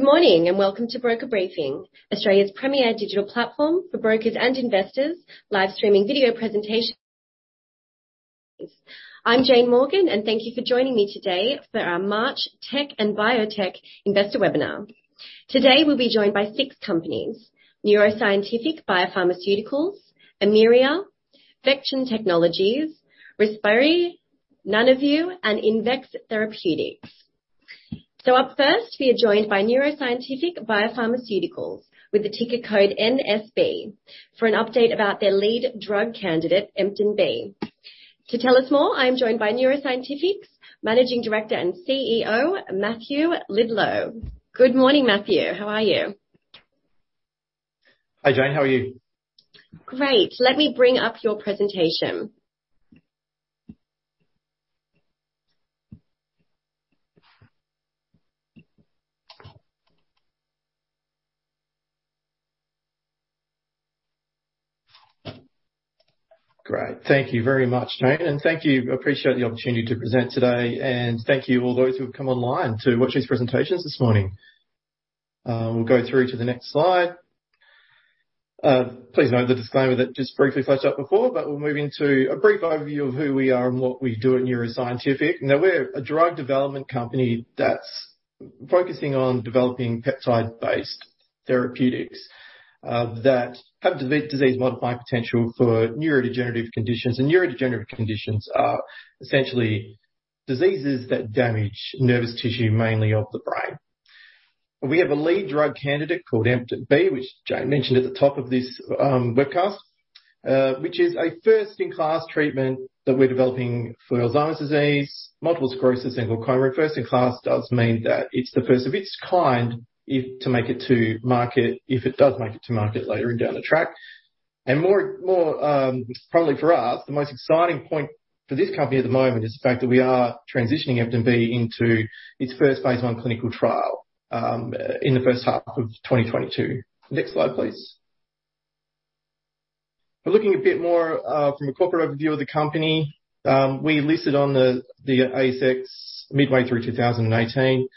Good morning and welcome to Broker Briefing, Australia's premier digital platform for brokers and investors live streaming video presentation. I'm Jane Morgan, and thank you for joining me today for our March Tech and Biotech Investor Webinar. Today we'll be joined by six companies, NeuroScientific Biopharmaceuticals, Emyria, Vection Technologies, Respiri, Nanoveu, and Invex Therapeutics. Up first, we are joined by NeuroScientific Biopharmaceuticals with the ticker code NSB for an update about their lead drug candidate, EmtinB. To tell us more, I'm joined by NeuroScientific's Managing Director and CEO, Matthew Liddelow. Good morning, Matthew. How are you? Hi, Jane. How are you? Great. Let me bring up your presentation. Great. Thank you very much, Jane, and thank you. I appreciate the opportunity to present today, and thank you all those who have come online to watch these presentations this morning. We'll go through to the next slide. Please note the disclaimer that just briefly flashed up before, but we'll move into a brief overview of who we are and what we do at NeuroScientific. Now, we're a drug development company that's focusing on developing peptide-based therapeutics that have disease modifying potential for neurodegenerative conditions. Neurodegenerative conditions are essentially diseases that damage nervous tissue, mainly of the brain. We have a lead drug candidate called EmtinB, which Jane mentioned at the top of this webcast, which is a first in class treatment that we're developing for Alzheimer's disease, multiple sclerosis, and glaucoma. First in class does mean that it's the first of its kind to make it to market, if it does make it to market later on down the track. Probably for us, the most exciting point for this company at the moment is the fact that we are transitioning EmtinB into its first phase I clinical trial in the first half of 2022. Next slide, please. We're looking a bit more from a corporate overview of the company. We listed on the ASX midway through 2018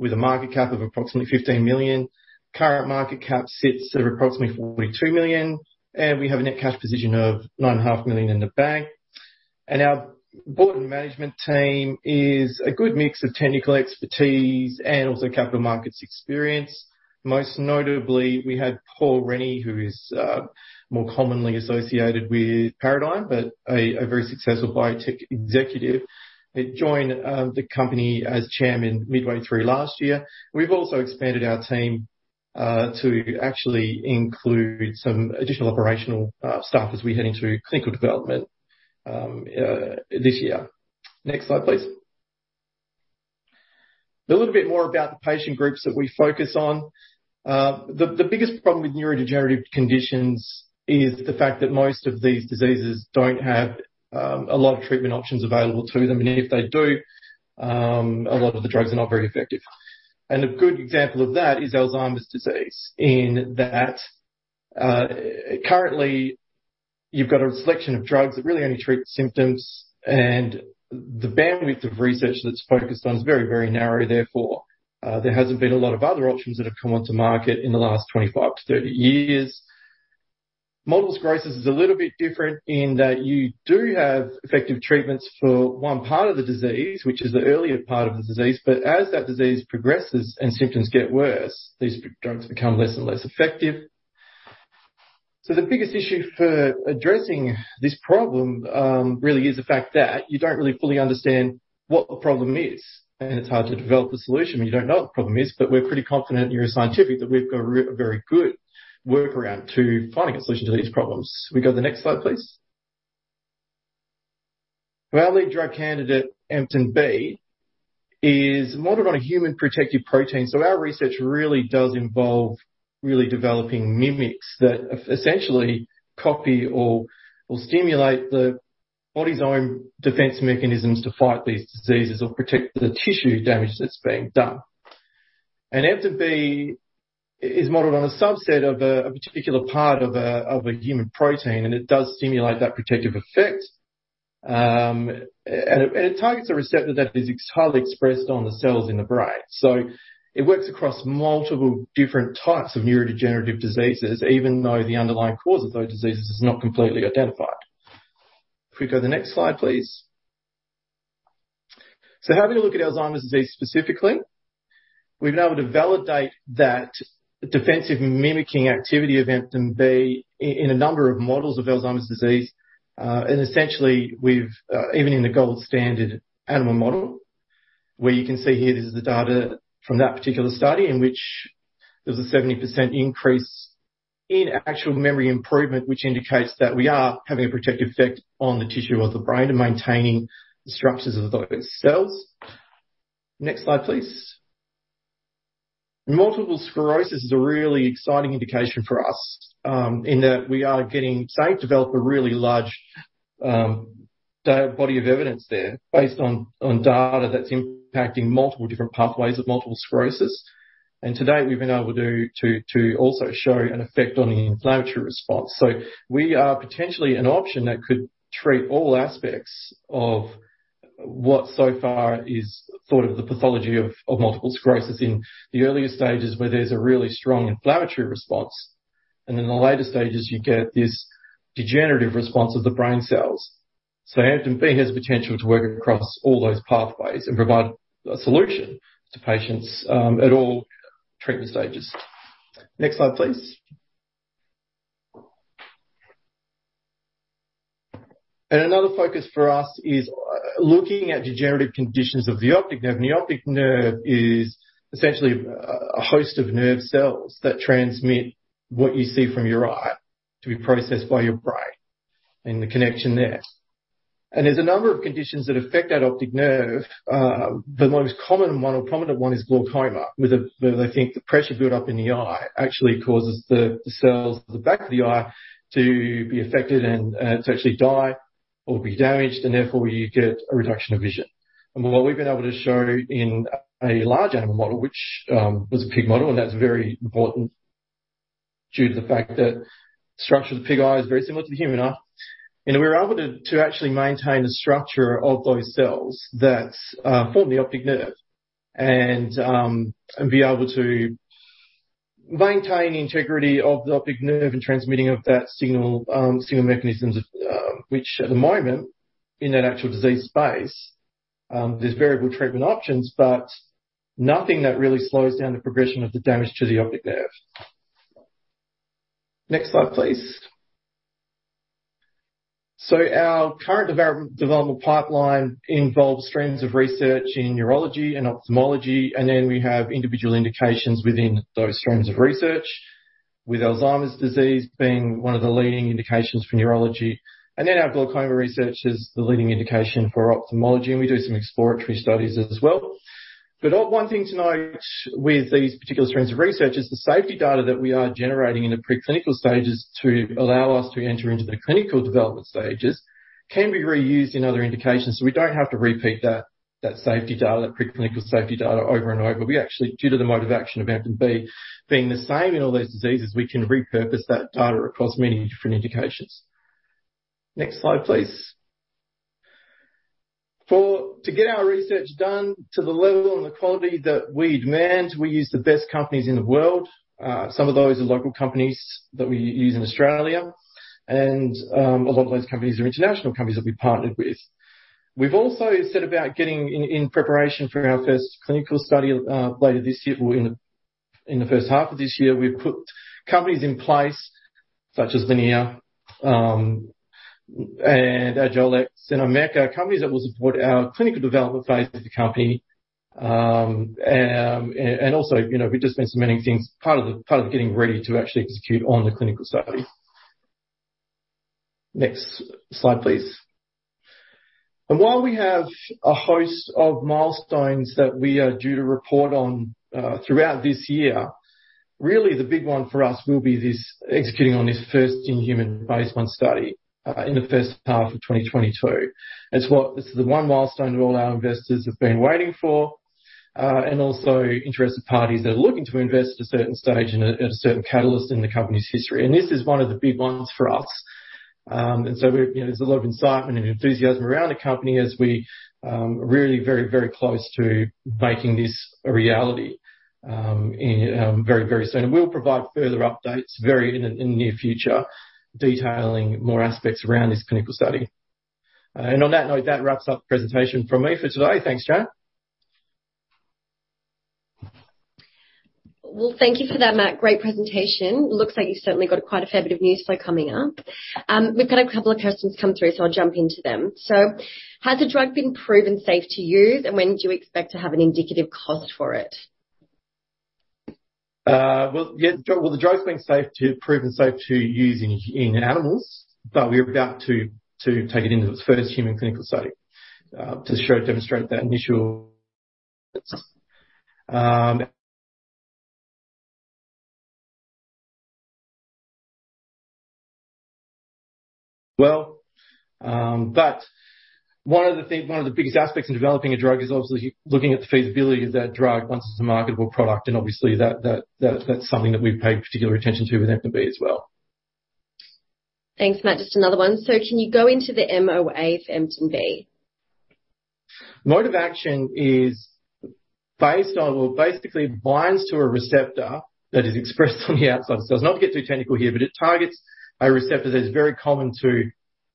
with a market cap of approximately 15 million. Current market cap sits at approximately 42 million, and we have a net cash position of 9.5 million in the bank. Our board and management team is a good mix of technical expertise and also capital markets experience. Most notably, we have Paul Rennie, who is more commonly associated with Paradigm, but a very successful biotech executive that joined the company as chairman midway through last year. We've also expanded our team to actually include some additional operational staff as we head into clinical development this year. Next slide, please. A little bit more about the patient groups that we focus on. The biggest problem with neurodegenerative conditions is the fact that most of these diseases don't have a lot of treatment options available to them, and if they do, a lot of the drugs are not very effective. A good example of that is Alzheimer's disease in that currently you've got a selection of drugs that really only treat the symptoms and the bandwidth of research that it's focused on is very, very narrow. Therefore, there hasn't been a lot of other options that have come onto market in the last 25-30 years. Multiple sclerosis is a little bit different in that you do have effective treatments for one part of the disease, which is the earlier part of the disease. As that disease progresses and symptoms get worse, these drugs become less and less effective. The biggest issue for addressing this problem really is the fact that you don't really fully understand what the problem is, and it's hard to develop a solution when you don't know what the problem is. We're pretty confident at NeuroScientific that we've got a very good workaround to finding a solution to these problems. Can we go the next slide, please? Our lead drug candidate, EmtinB, is modeled on a human protective protein. Our research really does involve really developing mimics that essentially copy or stimulate the body's own defense mechanisms to fight these diseases or protect the tissue damage that's being done. EmtinB is modeled on a subset of a particular part of a human protein, and it does stimulate that protective effect. It targets a receptor that is highly expressed on the cells in the brain. It works across multiple different types of neurodegenerative diseases, even though the underlying cause of those diseases is not completely identified. If we go to the next slide, please. Having a look at Alzheimer's disease specifically, we've been able to validate that defensive mimicking activity of EmtinB in a number of models of Alzheimer's disease. Essentially we've even in the gold standard animal model, where you can see here, this is the data from that particular study in which there's a 70% increase in actual memory improvement, which indicates that we are having a protective effect on the tissue of the brain and maintaining the structures of those cells. Next slide, please. Multiple sclerosis is a really exciting indication for us, in that we are getting. We've developed a really large body of evidence there based on data that's impacting multiple different pathways of multiple sclerosis. To date, we've been able to also show an effect on the inflammatory response. We are potentially an option that could treat all aspects of what so far is thought of the pathology of multiple sclerosis in the earlier stages, where there's a really strong inflammatory response, and in the later stages you get this degenerative response of the brain cells. EmtinB has potential to work across all those pathways and provide a solution to patients at all treatment stages. Next slide, please. Another focus for us is looking at degenerative conditions of the optic nerve. The optic nerve is essentially a host of nerve cells that transmit what you see from your eye to be processed by your brain, and the connection there. There's a number of conditions that affect that optic nerve. The most common one or prominent one is glaucoma. With a... Where they think the pressure built up in the eye actually causes the cells at the back of the eye to be affected and to actually die or be damaged, and therefore you get a reduction of vision. What we've been able to show in a large animal model, which was a pig model, and that's very important due to the fact that structure of the pig eye is very similar to the human eye. You know, we were able to actually maintain the structure of those cells that form the optic nerve and be able to maintain the integrity of the optic nerve and transmitting of that signal mechanisms, which at the moment, in that actual disease space, there's variable treatment options, but nothing that really slows down the progression of the damage to the optic nerve. Next slide, please. Our current developmental pipeline involves streams of research in neurology and ophthalmology, and then we have individual indications within those streams of research. With Alzheimer's disease being one of the leading indications for neurology, and then our glaucoma research is the leading indication for ophthalmology, and we do some exploratory studies as well. One thing to note with these particular streams of research is the safety data that we are generating in the preclinical stages to allow us to enter into the clinical development stages can be reused in other indications. We don't have to repeat that preclinical safety data over and over. We actually, due to the mode of action of EmtinB being the same in all these diseases, we can repurpose that data across many different indications. Next slide, please. For... To get our research done to the level and the quality that we demand, we use the best companies in the world. Some of those are local companies that we use in Australia, and a lot of those companies are international companies that we partnered with. We've also set about getting in preparation for our first clinical study later this year or in the first half of this year. We've put companies in place such as Linical and Agilex, and Ameca, companies that will support our clinical development phase of the company. And also, you know, we've just been submitting things part of getting ready to actually execute on the clinical study. Next slide, please. While we have a host of milestones that we are due to report on throughout this year, really the big one for us will be executing on this first in-human phase I study in the first half of 2022. This is the one milestone that all our investors have been waiting for, and also interested parties that are looking to invest at a certain stage and at a certain catalyst in the company's history. This is one of the big ones for us. You know, there's a lot of excitement and enthusiasm around the company as we are really very, very close to making this a reality in very, very soon. We'll provide further updates in the near future, detailing more aspects around this clinical study. On that note, that wraps up presentation from me for today. Thanks, Jane. Well, thank you for that, Matt. Great presentation. Looks like you've certainly got quite a fair bit of news flow coming up. We've got a couple of questions come through, so I'll jump into them. Has the drug been proven safe to use, and when do you expect to have an indicative cost for it? The drug's been proven safe to use in animals, but we're about to take it into its first human clinical study to demonstrate that initial. One of the biggest aspects in developing a drug is obviously looking at the feasibility of that drug once it's a marketable product, and obviously that's something that we've paid particular attention to with EmtinB as well. Thanks, Matt. Just another one. Can you go into the MOA for EmtinB? Mode of action is based on or basically binds to a receptor that is expressed on the outside. So I'll not get too technical here, but it targets a receptor that is very common to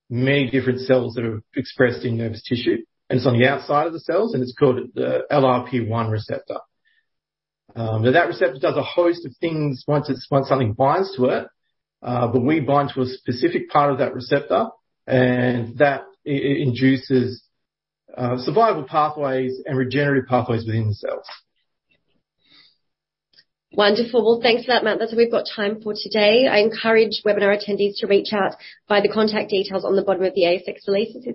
many different cells that are expressed in nervous tissue, and it's on the outside of the cells, and it's called the LRP1 receptor. Now that receptor does a host of things once something binds to it, but we bind to a specific part of that receptor, and that induces survival pathways and regenerative pathways within the cells. Wonderful. Well, thanks for that, Matt. That's all we've got time for today. I encourage webinar attendees to reach out via the contact details on the bottom of the ASX releases.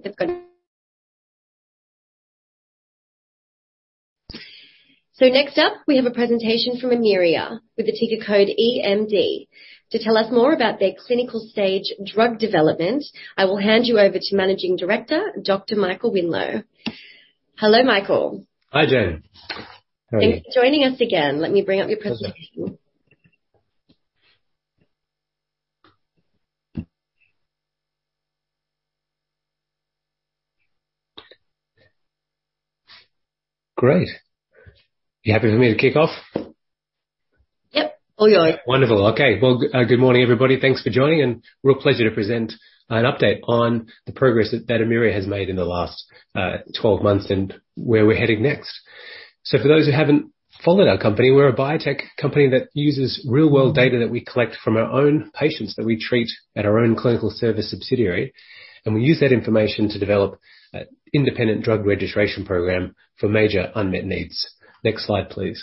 Next up, we have a presentation from Emyria with the ticker code EMD. To tell us more about their clinical stage drug development, I will hand you over to Managing Director, Dr Michael Winlo. Hello, Michael. Hi, Jane. How are you? Thank you for joining us again. Let me bring up your presentation. Great. Are you happy for me to kick off? Yep. All yours. Wonderful. Okay. Well, good morning, everybody. Thanks for joining, and real pleasure to present an update on the progress that we've made in the last 12 months and where we're heading next. For those who haven't followed our company, we're a biotech company that uses real world data that we collect from our own patients that we treat at our own clinical service subsidiary, and we use that information to develop an independent drug registration program for major unmet needs. Next slide, please.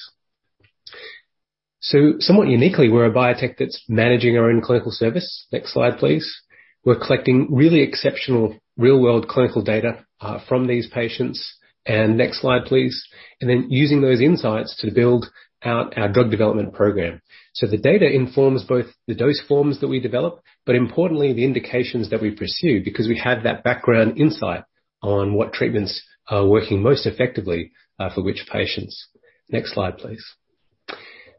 Somewhat uniquely, we're a biotech that's managing our own clinical service. Next slide, please. We're collecting really exceptional real world clinical data from these patients. Next slide, please. Then using those insights to build out our drug development program. The data informs both the dose forms that we develop, but importantly, the indications that we pursue because we have that background insight on what treatments are working most effectively, for which patients. Next slide, please.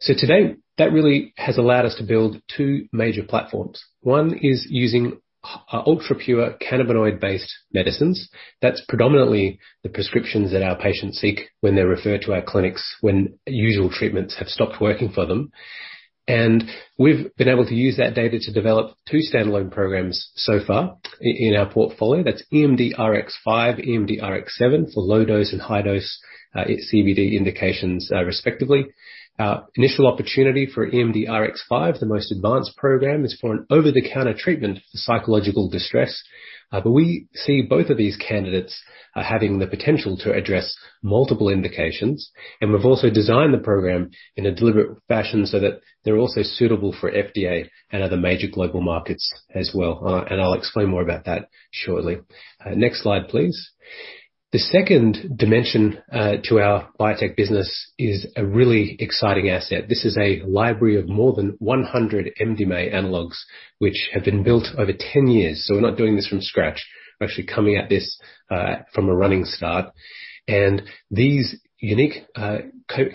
To date, that really has allowed us to build two major platforms. One is using ultra-pure cannabinoid-based medicines. That's predominantly the prescriptions that our patients seek when they're referred to our clinics when usual treatments have stopped working for them. We've been able to use that data to develop two standalone programs so far in our portfolio. That's EMD-RX5, EMD-RX7 for low dose and high dose CBD indications, respectively. Our initial opportunity for EMD-RX5, the most advanced program, is for an over-the-counter treatment for psychological distress. We see both of these candidates having the potential to address multiple indications. We've also designed the program in a deliberate fashion so that they're also suitable for FDA and other major global markets as well. I'll explain more about that shortly. Next slide, please. The second dimension to our biotech business is a really exciting asset. This is a library of more than 100 MDMA analogs, which have been built over 10 years. So we're not doing this from scratch. We're actually coming at this from a running start. These unique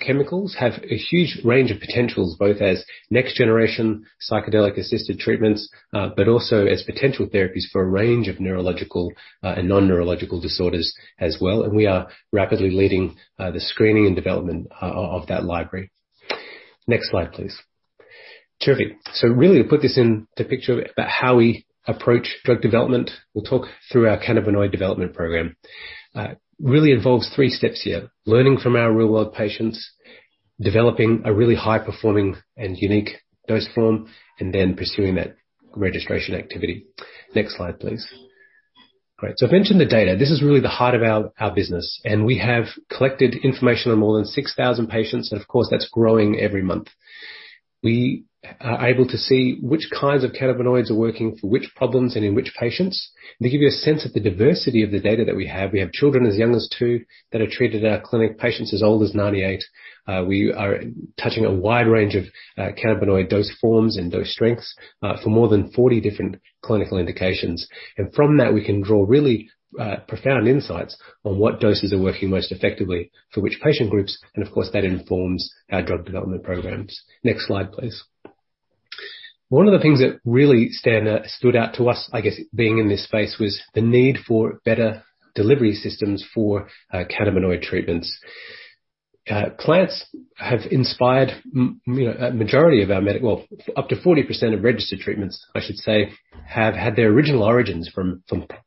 chemicals have a huge range of potentials, both as next generation psychedelic assisted treatments, but also as potential therapies for a range of neurological and non-neurological disorders as well. We are rapidly leading the screening and development of that library. Next slide, please. Terrific. Really to put this into perspective about how we approach drug development, we'll talk through our cannabinoid development program. Really involves three steps here. Learning from our real world patients, developing a really high performing and unique dose form, and then pursuing that registration activity. Next slide, please. Great. I've mentioned the data. This is really the heart of our business, and we have collected information on more than 6,000 patients. Of course, that's growing every month. We are able to see which kinds of cannabinoids are working for which problems and in which patients. To give you a sense of the diversity of the data that we have, we have children as young as two that are treated at our clinic, patients as old as 98. We are touching a wide range of cannabinoid dose forms and dose strengths for more than 40 different clinical indications. From that, we can draw really profound insights on what doses are working most effectively for which patient groups, and of course, that informs our drug development programs. Next slide, please. One of the things that really stood out to us, I guess, being in this space was the need for better delivery systems for cannabinoid treatments. Plants have inspired, you know, well, up to 40% of registered treatments, I should say, have had their original origins from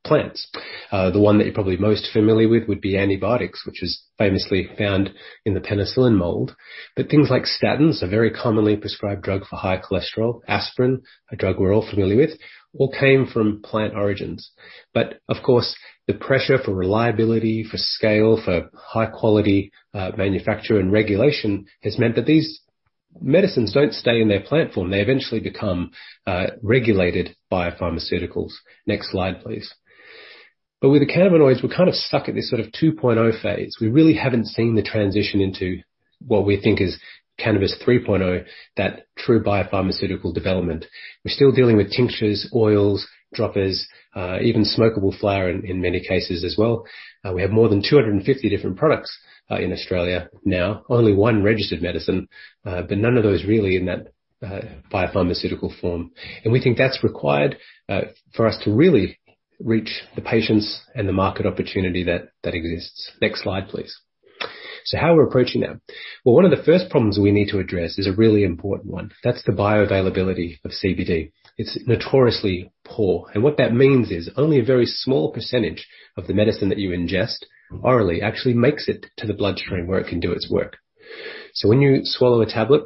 plants. The one that you're probably most familiar with would be antibiotics, which was famously found in the penicillin mold. Things like statins, a very commonly prescribed drug for high cholesterol, aspirin, a drug we're all familiar with, all came from plant origins. Of course, the pressure for reliability, for scale, for high quality, manufacture and regulation has meant that these medicines don't stay in their plant form. They eventually become regulated biopharmaceuticals. Next slide, please. With the cannabinoids, we're kind of stuck at this sort of 2.0 phase. We really haven't seen the transition into what we think is cannabis 3.0, that true biopharmaceutical development. We're still dealing with tinctures, oils, droppers, even smokable flower in many cases as well. We have more than 250 different products in Australia now. Only one registered medicine, but none of those really in that biopharmaceutical form. We think that's required for us to really reach the patients and the market opportunity that exists. Next slide, please. How are we approaching that? Well, one of the first problems we need to address is a really important one. That's the bioavailability of CBD. It's notoriously poor. What that means is only a very small percentage of the medicine that you ingest orally actually makes it to the bloodstream where it can do its work. When you swallow a tablet,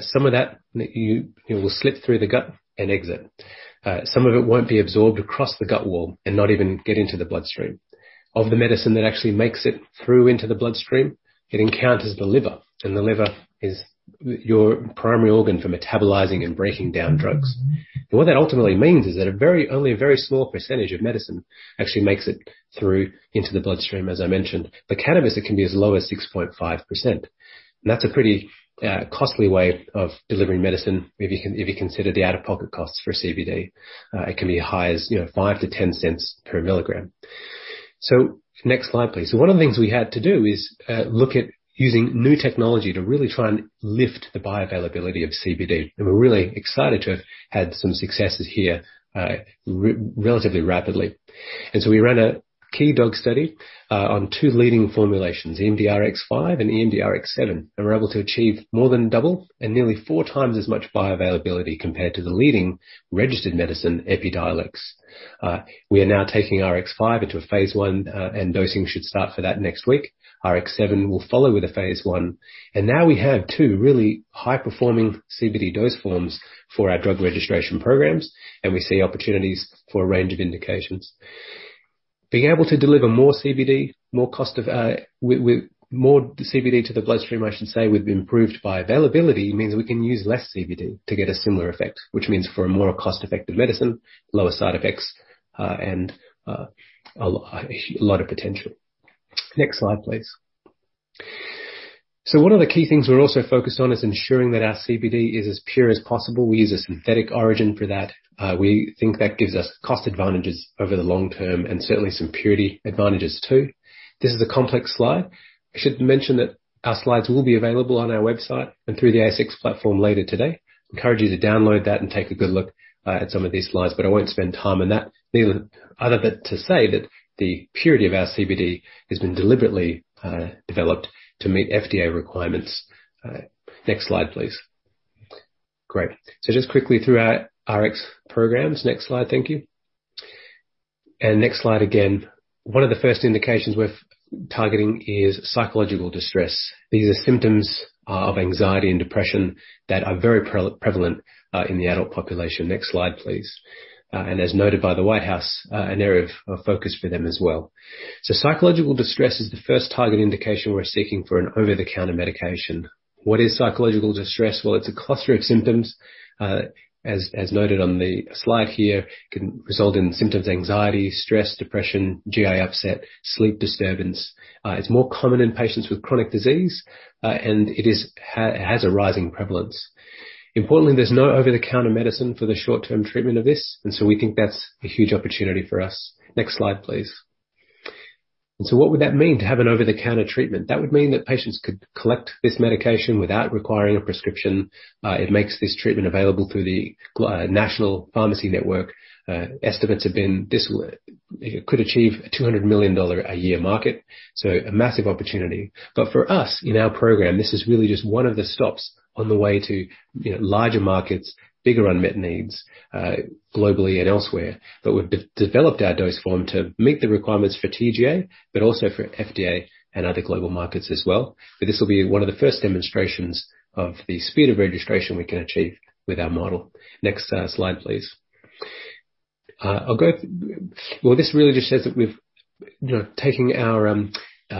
some of that will slip through the gut and exit. Some of it won't be absorbed across the gut wall and not even get into the bloodstream. Of the medicine that actually makes it through into the bloodstream, it encounters the liver, and the liver is your primary organ for metabolizing and breaking down drugs. What that ultimately means is that only a very small percentage of medicine actually makes it through into the bloodstream, as I mentioned. For cannabis, it can be as low as 6.5%. That's a pretty costly way of delivering medicine if you consider the out-of-pocket costs for CBD. It can be as high as, you know, 0.05-0.10 per milligram. Next slide, please. One of the things we had to do is look at using new technology to really try and lift the bioavailability of CBD. We're really excited to have had some successes here, relatively rapidly. We ran a key dog study on two leading formulations, EMD-RX5 and EMD-RX7, and we're able to achieve more than double and nearly four times as much bioavailability compared to the leading registered medicine, Epidiolex. We are now taking RX5 into a phase I, and dosing should start for that next week. RX7 will follow with a phase I. Now we have two really high-performing CBD dose forms for our drug registration programs, and we see opportunities for a range of indications. Being able to deliver more CBD, with more CBD to the bloodstream, I should say, with improved bioavailability, means we can use less CBD to get a similar effect, which means for a more cost-effective medicine, lower side effects, and a lot of potential. Next slide, please. One of the key things we're also focused on is ensuring that our CBD is as pure as possible. We use a synthetic origin for that. We think that gives us cost advantages over the long term and certainly some purity advantages too. This is a complex slide. I should mention that our slides will be available on our website and through the ASX platform later today. I encourage you to download that and take a good look at some of these slides, but I won't spend time on that. To say that the purity of our CBD has been deliberately developed to meet FDA requirements. Next slide, please. Great. Just quickly through our RX programs. Next slide, thank you. Next slide again. One of the first indications we're targeting is psychological distress. These are symptoms of anxiety and depression that are very prevalent in the adult population. Next slide, please. As noted by the White House, an area of focus for them as well. Psychological distress is the first target indication we're seeking for an over-the-counter medication. What is psychological distress? Well, it's a cluster of symptoms, noted on the slide here, can result in symptoms, anxiety, stress, depression, GI upset, sleep disturbance. It's more common in patients with chronic disease, and it has a rising prevalence. Importantly, there's no over-the-counter medicine for the short-term treatment of this, and so we think that's a huge opportunity for us. Next slide, please. What would that mean to have an over-the-counter treatment? That would mean that patients could collect this medication without requiring a prescription. It makes this treatment available through the national pharmacy network. Estimates have been this could achieve a 200 million dollar a year market, so a massive opportunity. For us in our program, this is really just one of the stops on the way to, you know, larger markets, bigger unmet needs, globally and elsewhere. We've developed our dose form to meet the requirements for TGA, but also for FDA and other global markets as well. This will be one of the first demonstrations of the speed of registration we can achieve with our model. Next, slide, please. Well, this really just says that we've, you know, taken our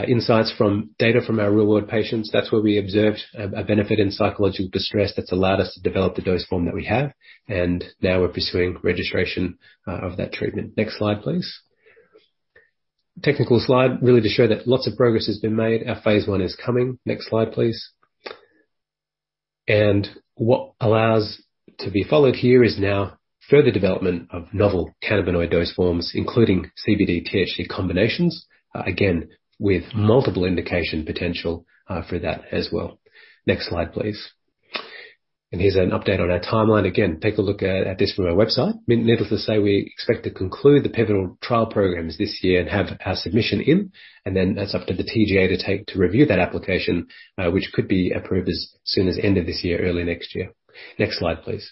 insights from data from our real-world patients. That's where we observed a benefit in psychological distress that's allowed us to develop the dose form that we have. Now we're pursuing registration of that treatment. Next slide, please. Technical slide, really to show that lots of progress has been made. Our phase I is coming. Next slide, please. What allows to be followed here is now further development of novel cannabinoid dose forms, including CBD THC combinations, again, with multiple indication potential for that as well. Next slide, please. Here's an update on our timeline. Again, take a look at this from our website. Needless to say, we expect to conclude the pivotal trial programs this year and have our submission in, and then that's up to the TGA to take to review that application, which could be approved as soon as end of this year, early next year. Next slide, please.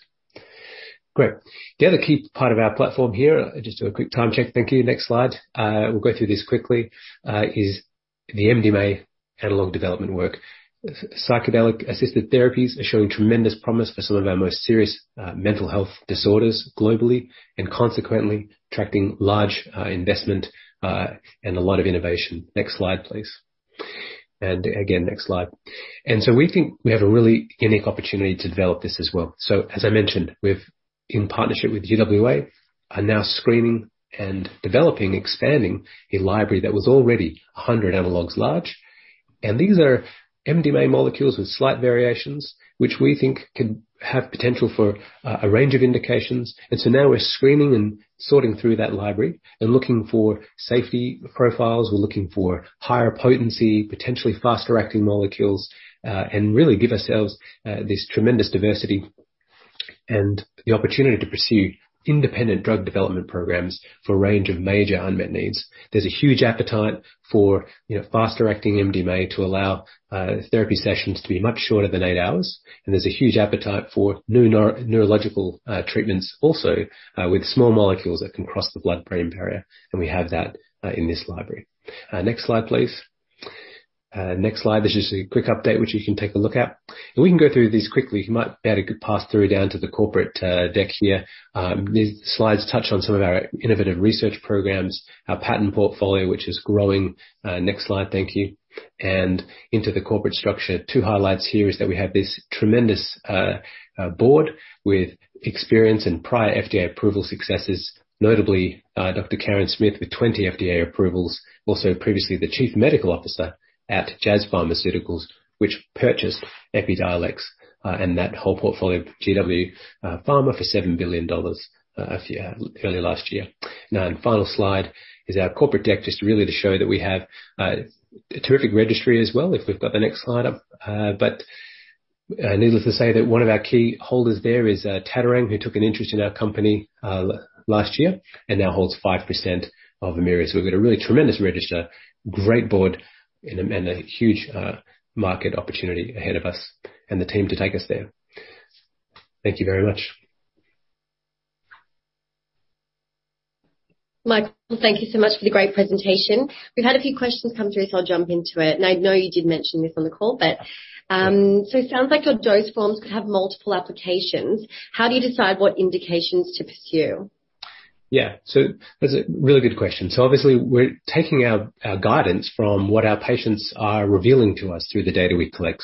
Great. The other key part of our platform here, just do a quick time check. Thank you. Next slide. We'll go through this quickly, is the MDMA analog development work. Psychedelic-assisted therapies are showing tremendous promise for some of our most serious mental health disorders globally, and consequently attracting large investment and a lot of innovation. Next slide, please. Again, next slide. We think we have a really unique opportunity to develop this as well. As I mentioned, in partnership with UWA, we are now screening and developing, expanding a library that was already 100 analogs large. These are MDMA molecules with slight variations, which we think could have potential for a range of indications. Now we're screening and sorting through that library and looking for safety profiles. We're looking for higher potency, potentially faster-acting molecules, and really give ourselves this tremendous diversity and the opportunity to pursue independent drug development programs for a range of major unmet needs. There's a huge appetite for, you know, faster-acting MDMA to allow therapy sessions to be much shorter than eight hours. There's a huge appetite for new nor-neurological treatments also with small molecules that can cross the blood-brain barrier, and we have that in this library. Next slide, please. Next slide. This is a quick update, which you can take a look at. We can go through these quickly. You might be able to pass through down to the corporate deck here. These slides touch on some of our innovative research programs, our patent portfolio, which is growing. Next slide, thank you. Into the corporate structure. Two highlights here is that we have this tremendous board with experience and prior FDA approval successes, notably Dr Karen Smith with 20 FDA approvals. Also previously the Chief Medical Officer at Jazz Pharmaceuticals, which purchased Epidiolex and that whole portfolio of GW Pharma for $7 billion a few early last year. Now the final slide is our corporate deck, just really to show that we have a terrific register as well, if we've got the next slide up. But needless to say that one of our key holders there is Tattarang, who took an interest in our company last year and now holds 5% of Emyria. So we've got a really tremendous register, great board and a huge market opportunity ahead of us, and the team to take us there. Thank you very much. Michael, thank you so much for the great presentation. We've had a few questions come through, so I'll jump into it. I know you did mention this on the call, but, Yeah. It sounds like your dose forms could have multiple applications. How do you decide what indications to pursue? Yeah. That's a really good question. Obviously we're taking our guidance from what our patients are revealing to us through the data we collect.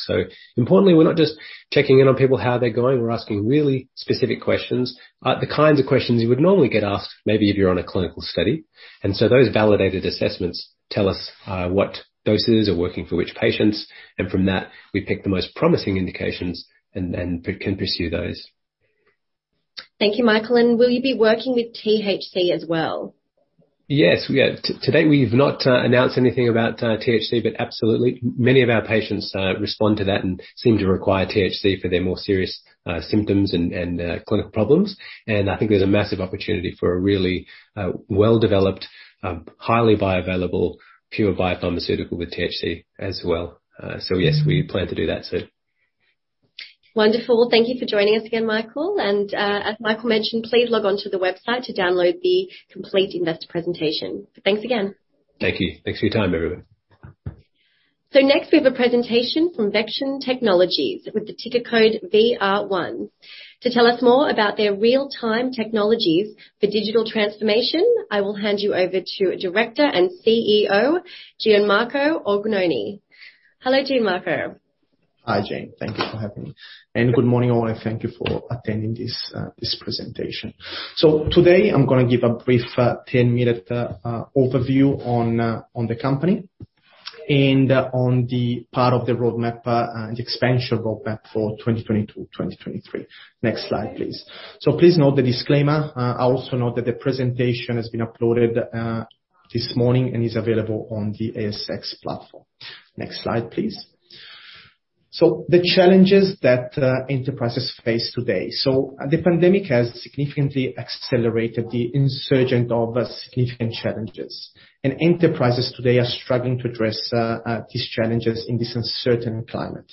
Importantly, we're not just checking in on people, how they're going. We're asking really specific questions. The kinds of questions you would normally get asked, maybe if you're on a clinical study. Those validated assessments tell us what doses are working for which patients, and from that, we pick the most promising indications and we can pursue those. Thank you, Michael. Will you be working with THC as well? Yes, we are. Today we've not announced anything about THC, but absolutely, many of our patients respond to that and seem to require THC for their more serious symptoms and clinical problems. I think there's a massive opportunity for a really well-developed highly bioavailable, pure biopharmaceutical with THC as well. Yes, we plan to do that soon. Wonderful. Thank you for joining us again, Michael. As Michael mentioned, please log on to the website to download the complete investor presentation. Thanks again. Thank you. Thanks for your time, everyone. Next, we have a presentation from Vection Technologies with the ticker code VR1. To tell us more about their real-time technologies for digital transformation, I will hand you over to Director and COO, Gianmarco Orgnoni. Hello, Gianmarco. Hi, Jane. Thank you for having me. Good morning, all, and thank you for attending this presentation. Today I'm gonna give a brief 10-minute overview on the company and on the part of the roadmap and expansion roadmap for 2022/2023. Next slide, please. Please note the disclaimer. Also note that the presentation has been uploaded this morning and is available on the ASX platform. Next slide, please. The challenges that enterprises face today. The pandemic has significantly accelerated the surge in significant challenges. Enterprises today are struggling to address these challenges in this uncertain climate.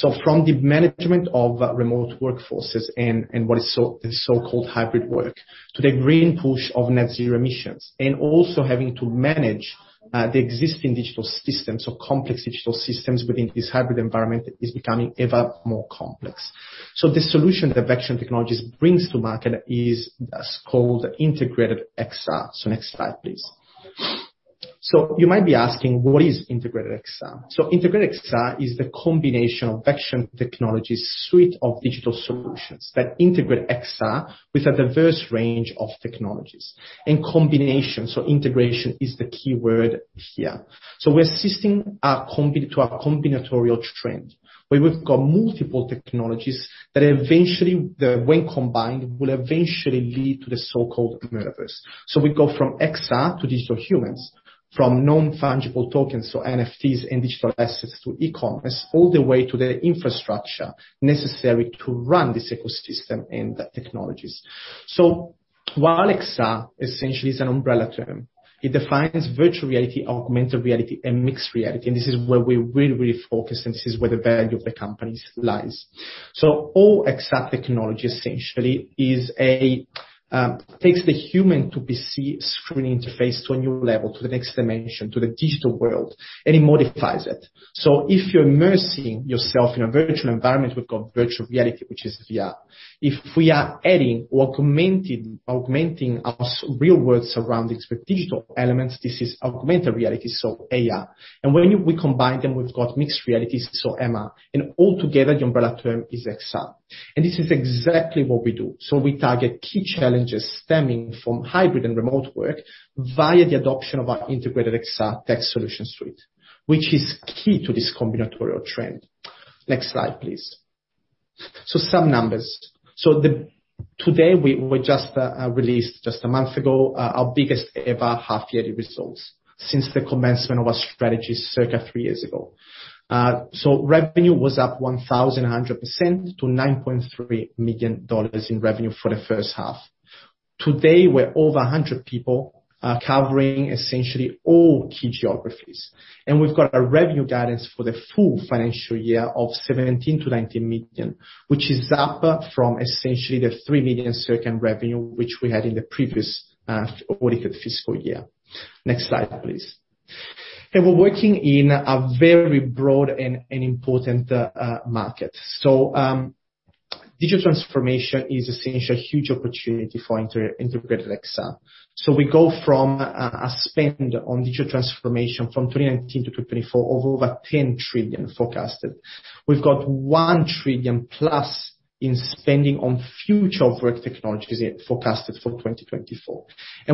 From the management of remote workforces and what is so... The so-called hybrid work, to the green push of net zero emissions, and also having to manage, the existing digital systems or complex digital systems within this hybrid environment is becoming ever more complex. The solution that Vection Technologies brings to market is what's called Integrated XR. Next slide, please. You might be asking, "What is Integrated XR?" Integrated XR is the combination of Vection Technologies suite of digital solutions that integrate XR with a diverse range of technologies and combinations. Integration is the key word here. We're assisting to a combinatorial trend, where we've got multiple technologies that eventually, when combined, will eventually lead to the so-called metaverse. We go from XR to digital humans. From non-fungible tokens, so NFTs and digital assets to e-commerce, all the way to the infrastructure necessary to run this ecosystem and the technologies. While XR essentially is an umbrella term, it defines virtual reality, augmented reality, and mixed reality, and this is where we're really, really focused, and this is where the value of the company lies. All XR technology essentially is a takes the human-to-PC screen interface to a new level, to the next dimension, to the digital world, and it modifies it. If you're immersing yourself in a virtual environment, we've got virtual reality, which is VR. If we are adding or augmenting our real world surroundings with digital elements, this is augmented reality, so AR. When we combine them, we've got mixed realities, so MR. All together, the umbrella term is XR. This is exactly what we do. We target key challenges stemming from hybrid and remote work via the adoption of our Integrated XR tech solution suite, which is key to this combinatorial trend. Next slide, please. Some numbers. Today we just released just a month ago our biggest ever half-yearly results since the commencement of our strategy circa three years ago. Revenue was up 1,100% to 9.3 million dollars in revenue for the first half. Today, we're over 100 people covering essentially all key geographies. We've got a revenue guidance for the full financial year of 17 million-19 million, which is up from essentially the 3 million circa revenue which we had in the previous audited fiscal year. Next slide, please. We're working in a very broad and important market. Digital transformation is essentially a huge opportunity for Integrated XR. We go from a spend on digital transformation from 2019 to 2024 of over $10 trillion forecasted. We've got 1 trillion+ in spending on future work technologies forecasted for 2024.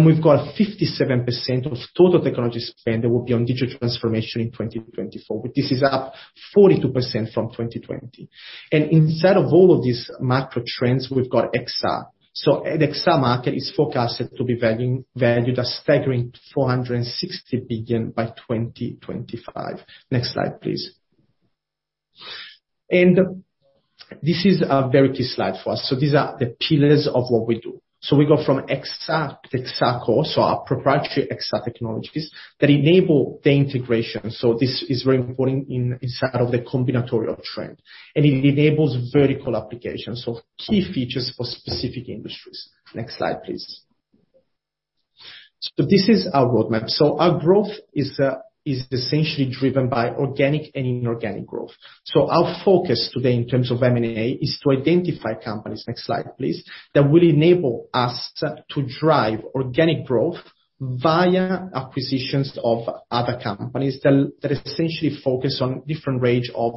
We've got 57% of total technology spend that will be on digital transformation in 2024. This is up 42% from 2020. Inside of all of these macro trends, we've got XR. An XR market is forecasted to be valued a staggering $460 billion by 2025. Next slide, please. This is a very key slide for us. These are the pillars of what we do. We go from XR to XR Core, our proprietary XR technologies that enable the integration. This is very important inside of the combinatorial trend, and it enables vertical applications. Key features for specific industries. Next slide, please. This is our roadmap. Our growth is essentially driven by organic and inorganic growth. Our focus today in terms of M&A is to identify companies that will enable us to drive organic growth via acquisitions of other companies that essentially focus on different range of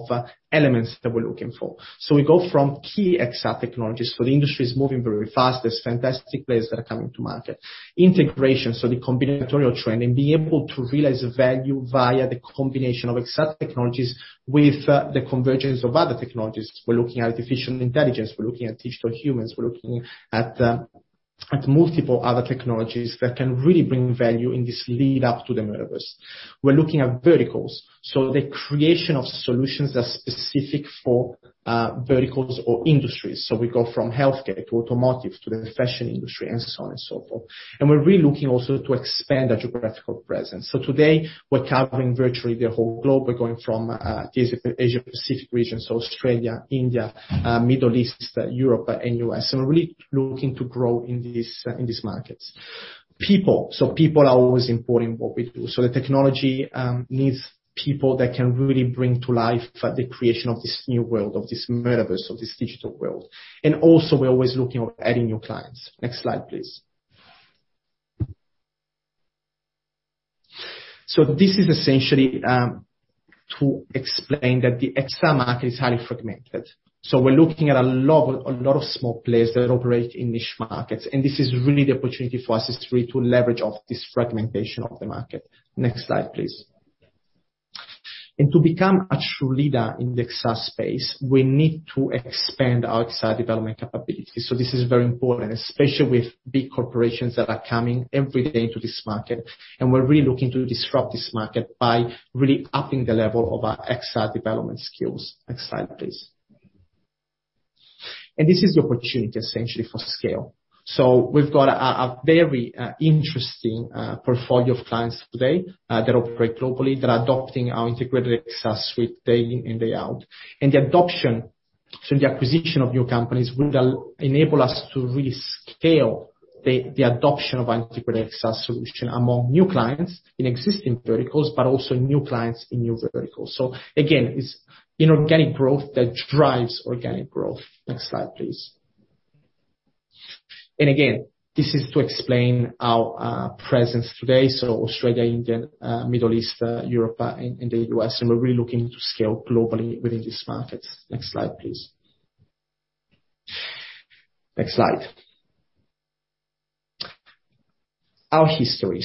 elements that we're looking for. Next slide, please. We go from key XR technologies. The industry is moving very fast. There are fantastic players that are coming to market. Integration, the combinatorial trend, and being able to realize the value via the combination of XR technologies with the convergence of other technologies. We're looking at artificial intelligence, we're looking at digital humans, we're looking at multiple other technologies that can really bring value in this lead-up to the metaverse. We're looking at verticals, so the creation of solutions that's specific for verticals or industries. We go from healthcare to automotive to the fashion industry and so on and so forth. We're really looking also to expand our geographical presence. Today we're covering virtually the whole globe. We're going from the Asia Pacific region, so Australia, India, Middle East, Europe, and U.S. We're really looking to grow in these markets. People are always important in what we do. The technology needs people that can really bring to life the creation of this new world, of this metaverse, of this digital world. Also we're always looking at adding new clients. Next slide, please. This is essentially to explain that the XR market is highly fragmented. We're looking at a lot of small players that operate in niche markets. This is really the opportunity for us, is really to leverage off this fragmentation of the market. Next slide, please. To become a true leader in the XR space, we need to expand our XR development capabilities. This is very important, especially with big corporations that are coming every day into this market. We're really looking to disrupt this market by really upping the level of our XR development skills. Next slide, please. This is the opportunity, essentially, for scale. We've got a very interesting portfolio of clients today that operate globally, that are adopting our Integrated XR suite day in and day out. The adoption through the acquisition of new companies will enable us to really scale the adoption of our Integrated XR solution among new clients in existing verticals, but also new clients in new verticals. Again, it's inorganic growth that drives organic growth. Next slide, please. Again, this is to explain our presence today. Australia, India, Middle East, Europe, and the U.S., and we're really looking to scale globally within these markets. Next slide, please. Next slide. Our history.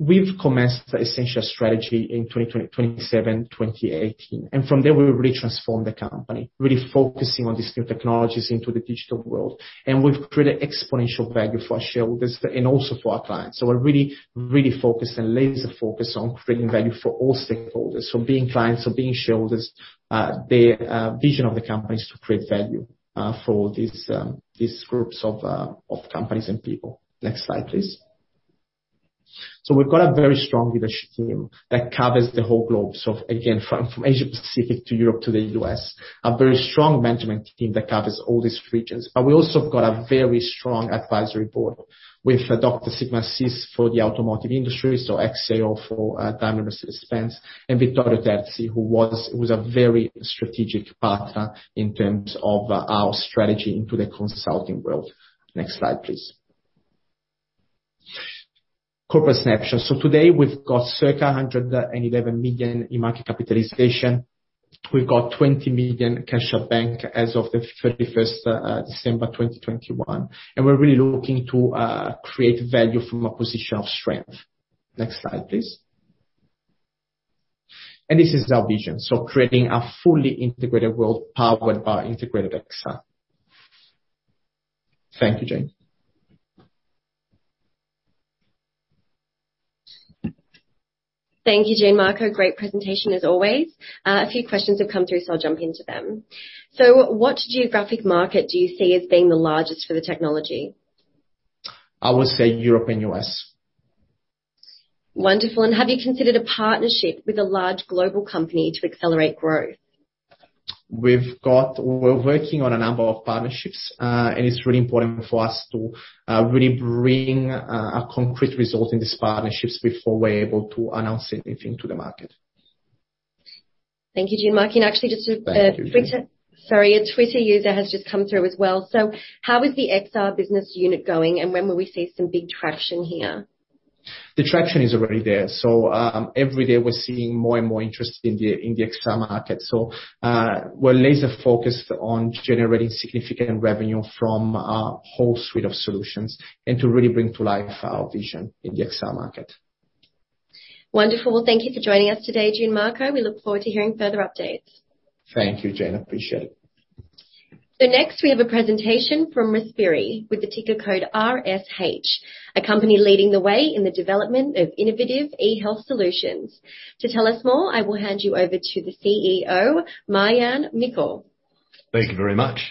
We've commenced the Essential strategy in 2017, 2018. From there, we really transformed the company, really focusing on these new technologies into the digital world. We've created exponential value for our shareholders and also for our clients. We're really, really focused and laser-focused on creating value for all stakeholders. Being clients or being shareholders, the vision of the company is to create value for these groups of companies and people. Next slide, please. We've got a very strong leadership team that covers the whole globe. Again, from Asia Pacific to Europe to the U.S., a very strong management team that covers all these regions. We also have got a very strong advisory board with Dr Siegmar Haasis for the automotive industry, so Axel for time and expense, and Vittorio Terzi, who was a very strategic partner in terms of our strategy into the consulting world. Next slide, please. Corporate snapshot. Today we've got circa 111 million in market capitalization. We've got 20 million cash at bank as of the 31st December 2021. We're really looking to create value from a position of strength. Next slide, please. This is our vision. Creating a fully integrated world powered by Integrated XR. Thank you, Jane. Thank you, Gianmarco. Great presentation as always. A few questions have come through, so I'll jump into them. What geographic market do you see as being the largest for the technology? I would say Europe and U.S. Wonderful. Have you considered a partnership with a large global company to accelerate growth? We're working on a number of partnerships, and it's really important for us to really bring a concrete result in these partnerships before we're able to announce anything to the market. Thank you, Gianmarco. Thank you. Sorry. A Twitter user has just come through as well. How is the XR business unit going and when will we see some big traction here? The traction is already there. Every day we're seeing more and more interest in the XR market. We're laser-focused on generating significant revenue from our whole suite of solutions and to really bring to life our vision in the XR market. Wonderful. Thank you for joining us today, Gianmarco. We look forward to hearing further updates. Thank you, Jane. Appreciate it. Next, we have a presentation from Respiri with the ticker code VHL, a company leading the way in the development of innovative e-health solutions. To tell us more, I will hand you over to the CEO, Marjan Mikel. Thank you very much.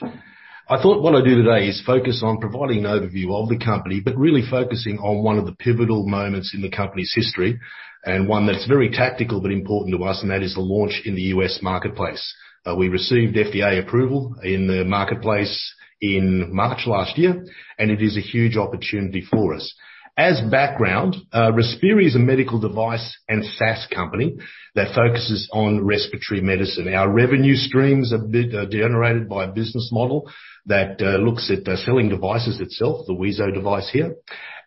I thought what I'd do today is focus on providing an overview of the company, but really focusing on one of the pivotal moments in the company's history and one that's very tactical but important to us, and that is the launch in the U.S. marketplace. We received FDA approval in the marketplace in March last year, and it is a huge opportunity for us. As background, Respiri is a medical device and SaaS company that focuses on respiratory medicine. Our revenue streams are generated by a business model that looks at selling devices itself, the wheezo device here,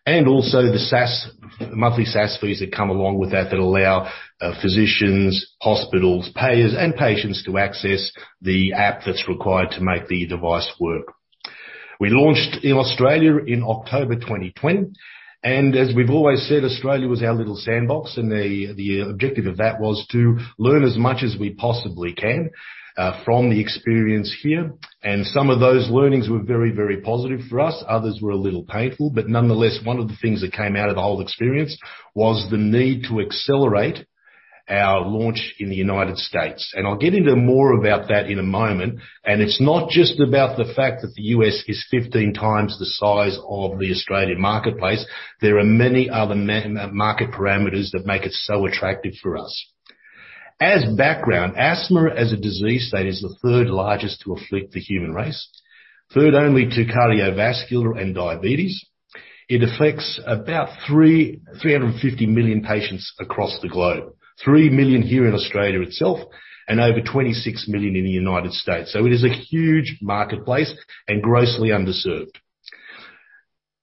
and also the SaaS, monthly SaaS fees that come along with that allow physicians, hospitals, payers, and patients to access the app that's required to make the device work. We launched in Australia in October 2020, and as we've always said, Australia was our little sandbox, and the objective of that was to learn as much as we possibly can from the experience here. Some of those learnings were very, very positive for us. Others were a little painful. Nonetheless, one of the things that came out of the whole experience was the need to accelerate our launch in the United States. I'll get into more about that in a moment. It's not just about the fact that the U.S. is 15 times the size of the Australian marketplace. There are many other market parameters that make it so attractive for us. As background, asthma as a disease state is the third largest to afflict the human race, third only to cardiovascular and diabetes. It affects about 350 million patients across the globe, 3 million here in Australia itself, and over 26 million in the United States. It is a huge marketplace and grossly underserved.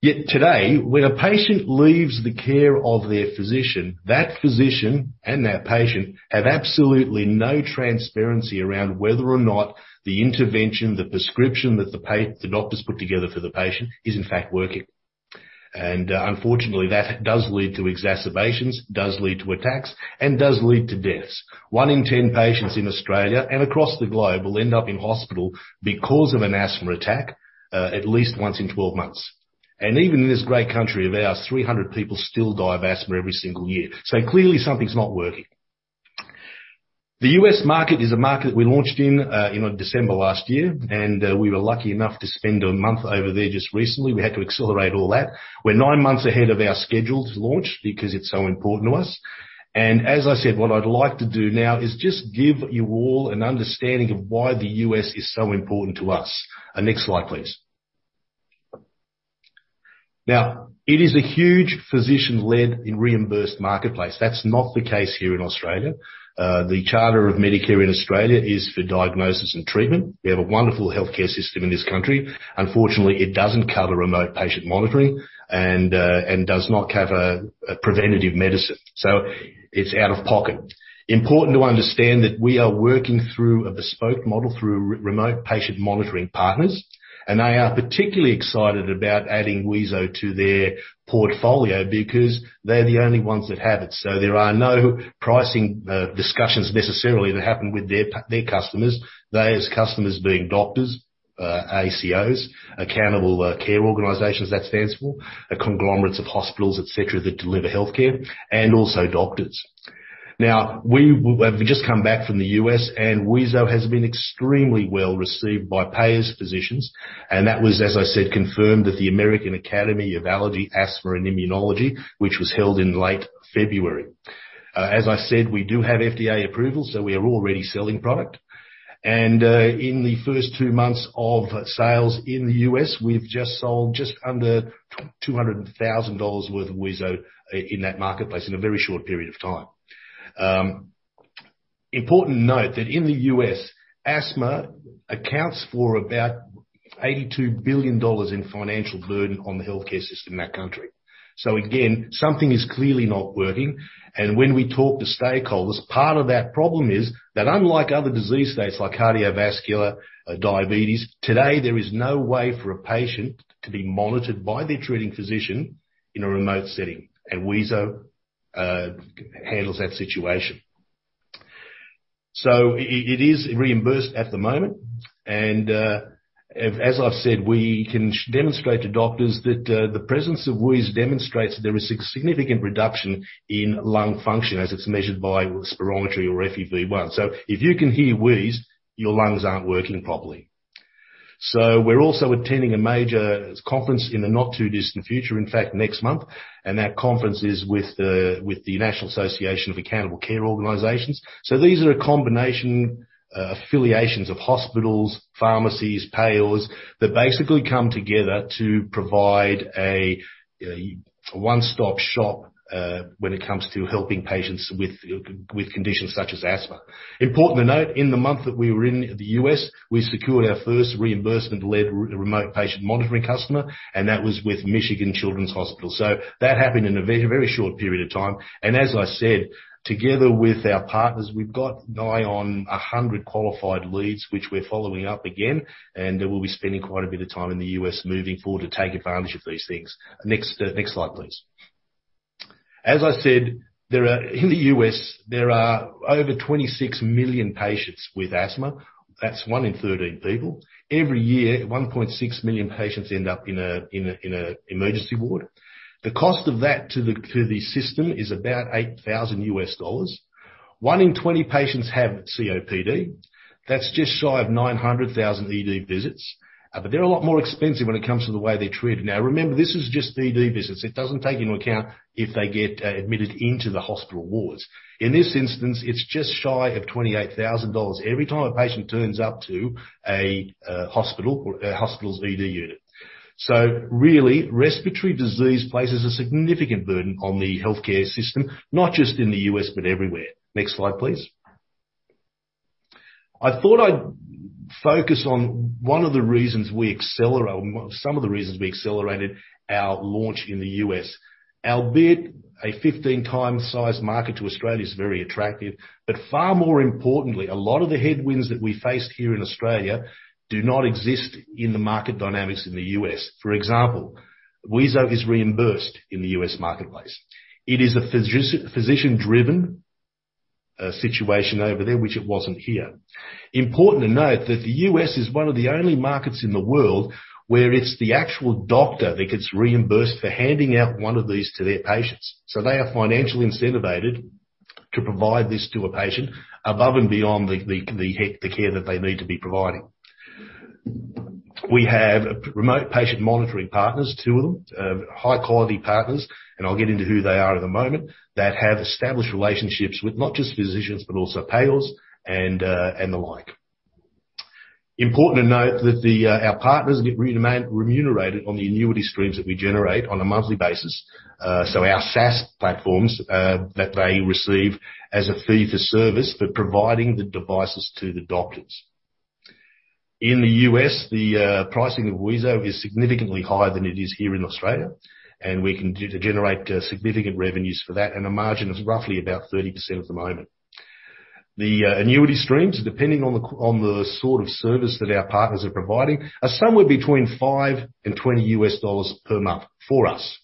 Yet today, when a patient leaves the care of their physician, that physician and that patient have absolutely no transparency around whether or not the intervention, the prescription that the doctors put together for the patient is in fact working. Unfortunately, that does lead to exacerbations, does lead to attacks, and does lead to deaths. One in 10 patients in Australia and across the globe will end up in hospital because of an asthma attack, at least once in 12 months. Even in this great country of ours, 300 people still die of asthma every single year. Clearly, something's not working. The U.S. market is a market we launched in, you know, December last year, and we were lucky enough to spend a month over there just recently. We had to accelerate all that. We're nine months ahead of our scheduled launch because it's so important to us. As I said, what I'd like to do now is just give you all an understanding of why the U.S. is so important to us. Next slide, please. Now, it is a huge physician-led and reimbursed marketplace. That's not the case here in Australia. The charter of Medicare in Australia is for diagnosis and treatment. We have a wonderful healthcare system in this country. Unfortunately, it doesn't cover remote patient monitoring and does not cover preventative medicine, so it's out of pocket. Important to understand that we are working through a bespoke model through our remote patient monitoring partners, and they are particularly excited about adding wheezo to their portfolio because they're the only ones that have it. There are no pricing discussions necessarily that happen with their customers. They as customers being doctors, ACOs, Accountable Care Organizations, that stands for a conglomerate of hospitals, et cetera, that deliver healthcare, and also doctors. Now, we have just come back from the U.S., and wheezo has been extremely well received by payers, physicians, and that was, as I said, confirmed at the American Academy of Allergy, Asthma, and Immunology, which was held in late February. As I said, we do have FDA approval, so we are already selling product. In the first two months of sales in the U.S., we've sold just under $200,000 worth of wheezo in that marketplace in a very short period of time. Important to note that in the U.S., asthma accounts for about $82 billion in financial burden on the healthcare system in that country. Again, something is clearly not working. When we talk to stakeholders, part of that problem is that unlike other disease states like cardiovascular, diabetes, today, there is no way for a patient to be monitored by their treating physician in a remote setting, and wheezo handles that situation. It is reimbursed at the moment. As I've said, we can demonstrate to doctors that the presence of wheeze demonstrates that there is significant reduction in lung function as it's measured by spirometry or FEV1. If you can hear wheeze, your lungs aren't working properly. We're also attending a major conference in the not-too-distant future, in fact, next month, and that conference is with the National Association of Accountable Care Organizations. These are a combination of affiliations of hospitals, pharmacies, payers that basically come together to provide a one-stop shop when it comes to helping patients with conditions such as asthma. Important to note, in the month that we were in the U.S., we secured our first reimbursement-led remote patient monitoring customer, and that was with Children's Hospital of Michigan. That happened in a very short period of time. As I said, together with our partners, we've got nigh on 100 qualified leads, which we're following up again. We'll be spending quite a bit of time in the U.S. moving forward to take advantage of these things. Next slide, please. As I said, there are in the U.S. over 26 million patients with asthma. That's one in 13 people. Every year, 1.6 million patients end up in an emergency ward. The cost of that to the system is about $8,000. One in 20 patients have COPD. That's just shy of 900,000 ED visits. But they're a lot more expensive when it comes to the way they're treated. Now, remember, this is just ED visits. It doesn't take into account if they get admitted into the hospital wards. In this instance, it's just shy of $28,000 every time a patient turns up to a hospital or a hospital's ED unit. Really, respiratory disease places a significant burden on the healthcare system, not just in the U.S., but everywhere. Next slide, please. I thought I'd focus on some of the reasons we accelerated our launch in the U.S. Albeit a 15 times the size market to Australia is very attractive, but far more importantly, a lot of the headwinds that we faced here in Australia do not exist in the market dynamics in the U.S. For example, wheezo is reimbursed in the U.S. marketplace. It is a physician-driven situation over there, which it wasn't here. Important to note that the U.S. is one of the only markets in the world where it's the actual doctor that gets reimbursed for handing out one of these to their patients. They are financially incentivized to provide this to a patient above and beyond the care that they need to be providing. We have remote patient monitoring partners, two of them, high-quality partners, and I'll get into who they are in a moment, that have established relationships with not just physicians, but also payers and the like. Important to note that our partners get remunerated on the annuity streams that we generate on a monthly basis. Our SaaS platforms that they receive as a fee for service for providing the devices to the doctors. In the U.S., the pricing of wheezo is significantly higher than it is here in Australia, and we can generate significant revenues for that and a margin of roughly 30% at the moment. The annuity streams, depending on the sort of service that our partners are providing, are somewhere between $5 and $20 per month for us.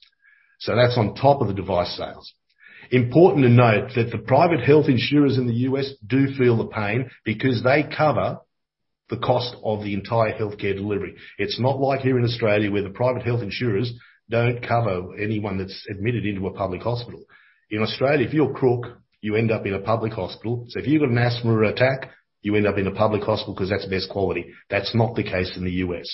That's on top of the device sales. Important to note that the private health insurers in the U.S. do feel the pain because they cover the cost of the entire healthcare delivery. It's not like here in Australia, where the private health insurers don't cover anyone that's admitted into a public hospital. In Australia, if you're crook, you end up in a public hospital. If you've got an asthma attack, you end up in a public hospital 'cause that's best quality. That's not the case in the U.S.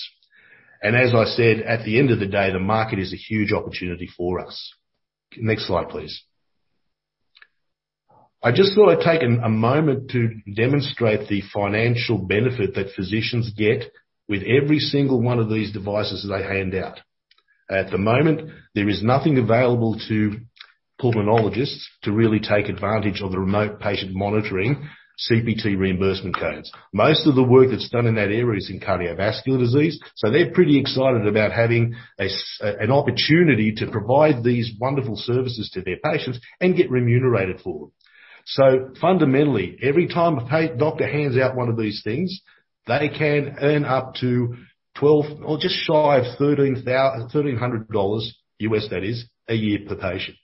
As I said, at the end of the day, the market is a huge opportunity for us. Next slide, please. I just thought I'd take a moment to demonstrate the financial benefit that physicians get with every single one of these devices they hand out. At the moment, there is nothing available to pulmonologists to really take advantage of the remote patient monitoring CPT reimbursement codes. Most of the work that's done in that area is in cardiovascular disease, so they're pretty excited about having an opportunity to provide these wonderful services to their patients and get remunerated for them. Fundamentally, every time a doctor hands out one of these things, they can earn up to $1,200 or just shy of $1,300, U.S. that is, a year per patient.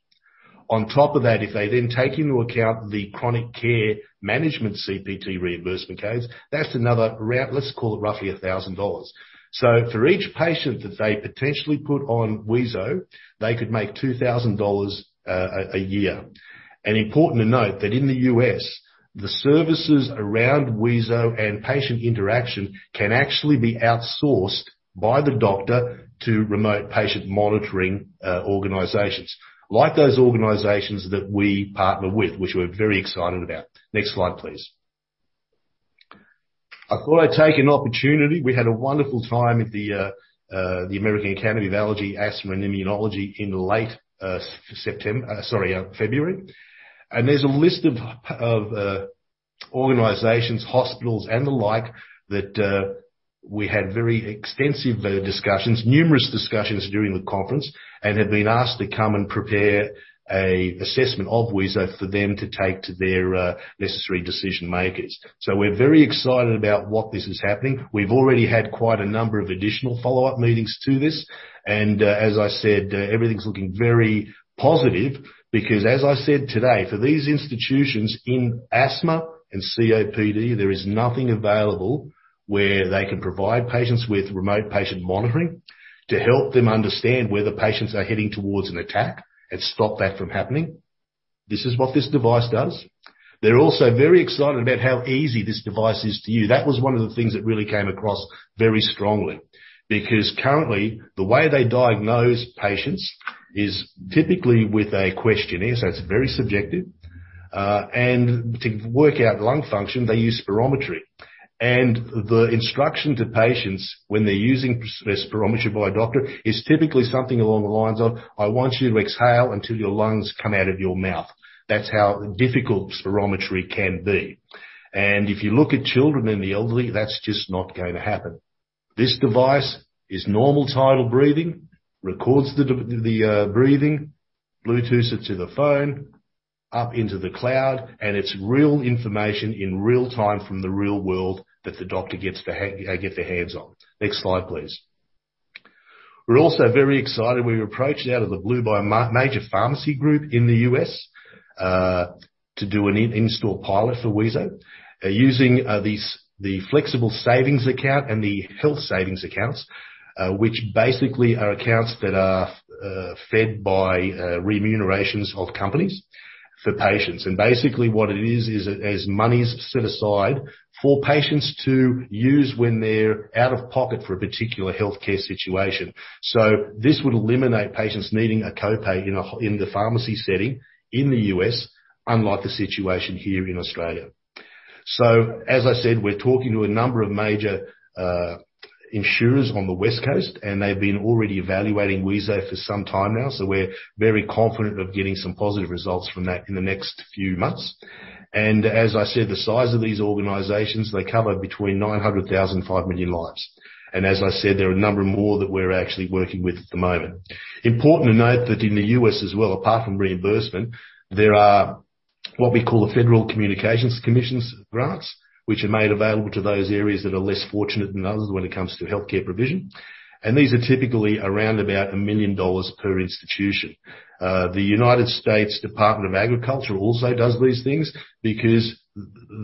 On top of that, if they then take into account the chronic care management CPT reimbursement codes, that's another round, let's call it roughly $1,000. For each patient that they potentially put on wheezo, they could make $2,000 a year. Important to note that in the US, the services around wheezo and patient interaction can actually be outsourced by the doctor to remote patient monitoring organizations. Like those organizations that we partner with, which we're very excited about. Next slide, please. I thought I'd take an opportunity. We had a wonderful time at the American Academy of Allergy, Asthma, and Immunology in late February. There's a list of organizations, hospitals, and the like that we had very extensive discussions, numerous discussions during the conference, and have been asked to come and prepare an assessment of wheezo for them to take to their necessary decision-makers. We're very excited about what's happening. We've already had quite a number of additional follow-up meetings to this. As I said, everything's looking very positive because as I said today, for these institutions in asthma and COPD, there is nothing available where they can provide patients with remote patient monitoring to help them understand where the patients are heading towards an attack and stop that from happening. This is what this device does. They're also very excited about how easy this device is to use. That was one of the things that really came across very strongly. Because currently, the way they diagnose patients is typically with a questionnaire, so it's very subjective. To work out lung function, they use spirometry. The instruction to patients when they're using spirometry by a doctor is typically something along the lines of, "I want you to exhale until your lungs come out of your mouth." That's how difficult spirometry can be. If you look at children and the elderly, that's just not going to happen. This device is normal tidal breathing, records the breathing, Bluetooths it to the phone, up into the cloud, and it's real information in real-time from the real world that the doctor gets their hands on. Next slide, please. We're also very excited. We were approached out of the blue by a major pharmacy group in the U.S. to do an in-store pilot for wheezo using the flexible spending account and the health savings accounts, which basically are accounts that are fed by reimbursements of companies for patients. Basically what it is is monies set aside for patients to use when they're out of pocket for a particular healthcare situation. This would eliminate patients needing a copay in the pharmacy setting in the U.S., unlike the situation here in Australia. As I said, we're talking to a number of major insurers on the West Coast, and they've been already evaluating wheezo for some time now. We're very confident of getting some positive results from that in the next few months. As I said, the size of these organizations, they cover between 900,000-5 million lives. As I said, there are a number more that we're actually working with at the moment. Important to note that in the U.S. as well, apart from reimbursement, there are what we call the Federal Communications Commission Grants, which are made available to those areas that are less fortunate than others when it comes to healthcare provision. These are typically around about $1 million per institution. The United States Department of Agriculture also does these things because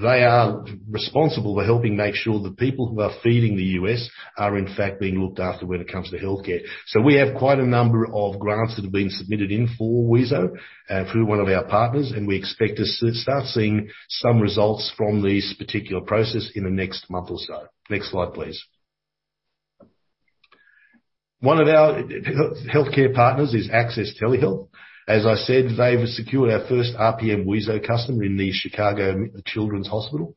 they are responsible for helping make sure the people who are feeding the U.S. are in fact being looked after when it comes to healthcare. We have quite a number of grants that have been submitted in for wheezo through one of our partners, and we expect to start seeing some results from this particular process in the next month or so. Next slide, please. One of our healthcare partners is Access Telehealth. As I said, they've secured our first RPM wheezo customer in the Chicago Children's Hospital.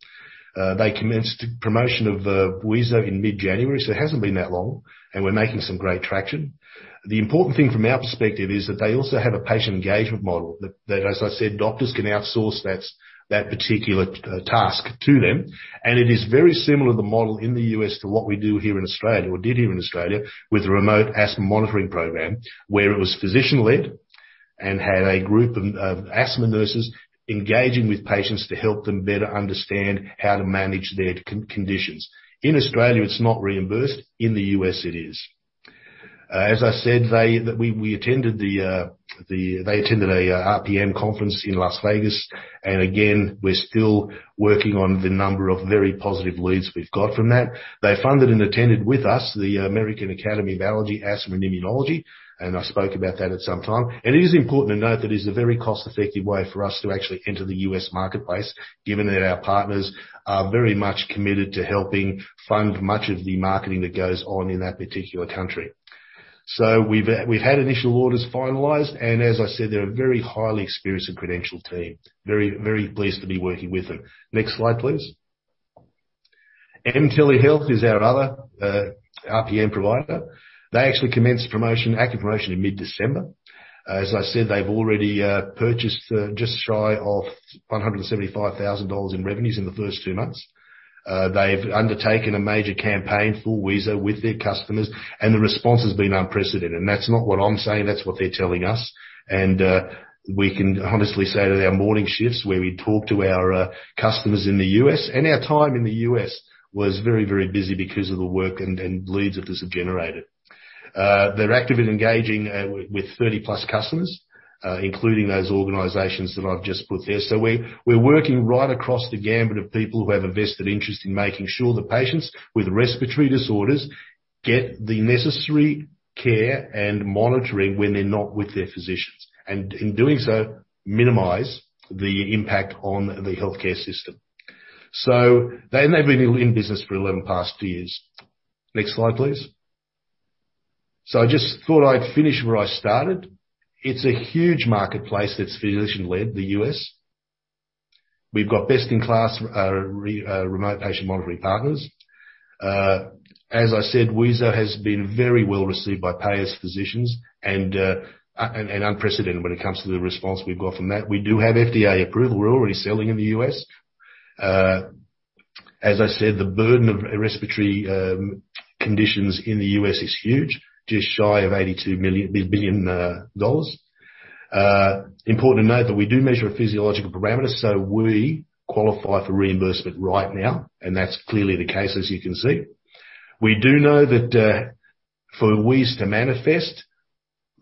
They commenced promotion of wheezo in mid-January, so it hasn't been that long, and we're making some great traction. The important thing from our perspective is that they also have a patient engagement model that, as I said, doctors can outsource that particular task to them. It is very similar to the model in the U.S. to what we do here in Australia or did here in Australia with the remote asthma monitoring program, where it was physician-led and had a group of asthma nurses engaging with patients to help them better understand how to manage their conditions. In Australia, it's not reimbursed. In the U.S., it is. As I said, we attended the RPM conference in Las Vegas. Again, we're still working on the number of very positive leads we've got from that. They funded and attended with us, the American Academy of Allergy, Asthma and Immunology, and I spoke about that at some time. It is important to note that it is a very cost-effective way for us to actually enter the U.S. marketplace, given that our partners are very much committed to helping fund much of the marketing that goes on in that particular country. We've had initial orders finalized and as I said, they're a very highly experienced and credentialed team. Very, very pleased to be working with them. Next slide, please. mTelehealth is our other RPM provider. They actually commenced promotion, active promotion in mid-December. As I said, they've already purchased just shy of $175,000 in revenues in the first 2 months. They've undertaken a major campaign for wheezo with their customers, and the response has been unprecedented. That's not what I'm saying, that's what they're telling us. We can honestly say that our morning shifts, where we talk to our customers in the U.S. and our time in the U.S. was very, very busy because of the work and leads that this has generated. They're active in engaging with 30-plus customers, including those organizations that I've just put there. We're working right across the gamut of people who have a vested interest in making sure that patients with respiratory disorders get the necessary care and monitoring when they're not with their physicians, and in doing so, minimize the impact on the healthcare system. They've been in business for 11 years. Next slide, please. I just thought I'd finish where I started. It's a huge marketplace that's physician-led, the U.S. We've got best-in-class remote patient monitoring partners. As I said, wheezo has been very well received by payers, physicians, and unprecedented when it comes to the response we've got from that. We do have FDA approval. We're already selling in the U.S. As I said, the burden of respiratory conditions in the U.S. is huge, just shy of $82 billion. Important to note that we do measure a physiological parameter, so we qualify for reimbursement right now, and that's clearly the case as you can see. We do know that for wheeze to manifest,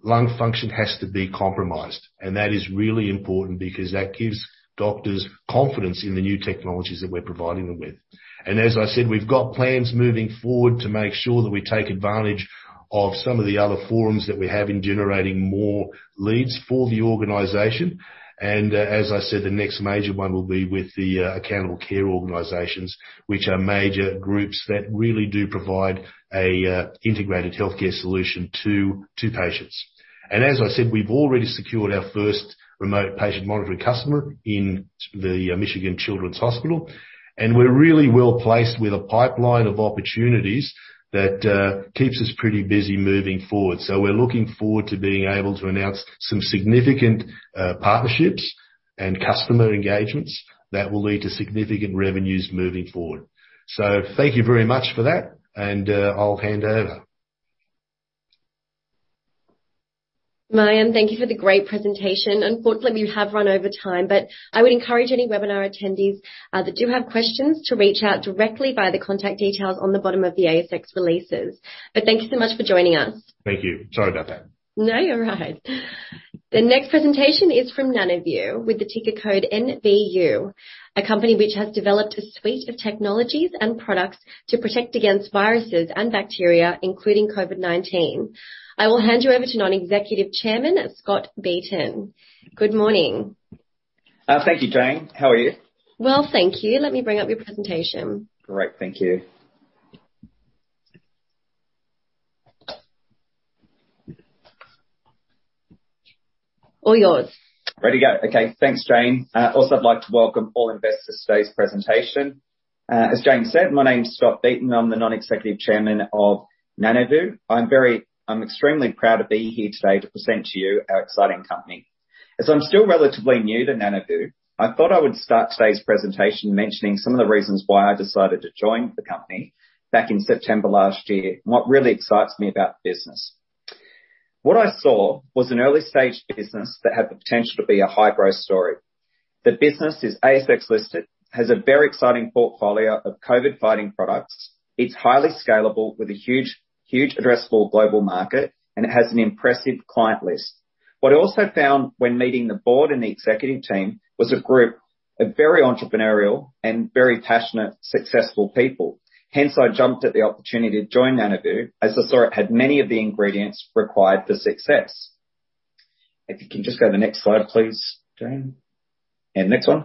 lung function has to be compromised, and that is really important because that gives doctors confidence in the new technologies that we're providing them with. As I said, we've got plans moving forward to make sure that we take advantage of some of the other forums that we have in generating more leads for the organization. As I said, the next major one will be with the Accountable Care Organizations, which are major groups that really do provide a integrated healthcare solution to patients. As I said, we've already secured our first remote patient monitoring customer in the Children's Hospital of Michigan, and we're really well-placed with a pipeline of opportunities that keeps us pretty busy moving forward. We're looking forward to being able to announce some significant partnerships and customer engagements that will lead to significant revenues moving forward. Thank you very much for that, and I'll hand over. Marjan Mikel, thank you for the great presentation. Unfortunately, we have run over time, but I would encourage any webinar attendees that do have questions to reach out directly via the contact details on the bottom of the ASX releases. Thank you so much for joining us. Thank you. Sorry about that. No, you're all right. The next presentation is from Nanoveu with the ticker code NVU, a company which has developed a suite of technologies and products to protect against viruses and bacteria, including COVID-19. I will hand you over to Non-Executive Chairman, Scott Beeton. Good morning. Thank you, Jane. How are you? Well, thank you. Let me bring up your presentation. Great. Thank you. All yours. Ready to go. Okay. Thanks, Jane. Also, I'd like to welcome all investors to today's presentation. As Jane said, my name's Scott Beeton. I'm the Non-Executive Chairman of Nanoveu. I'm extremely proud to be here today to present to you our exciting company. As I'm still relatively new to Nanoveu, I thought I would start today's presentation mentioning some of the reasons why I decided to join the company back in September last year, and what really excites me about the business. What I saw was an early-stage business that had the potential to be a high-growth story. The business is ASX listed, has a very exciting portfolio of COVID-fighting products. It's highly scalable with a huge, huge addressable global market, and it has an impressive client list. What I also found when meeting the board and the executive team, was a group of very entrepreneurial and very passionate, successful people. Hence, I jumped at the opportunity to join Nanoveu, as I saw it had many of the ingredients required for success. If you can just go to the next slide, please, Jane. Next one.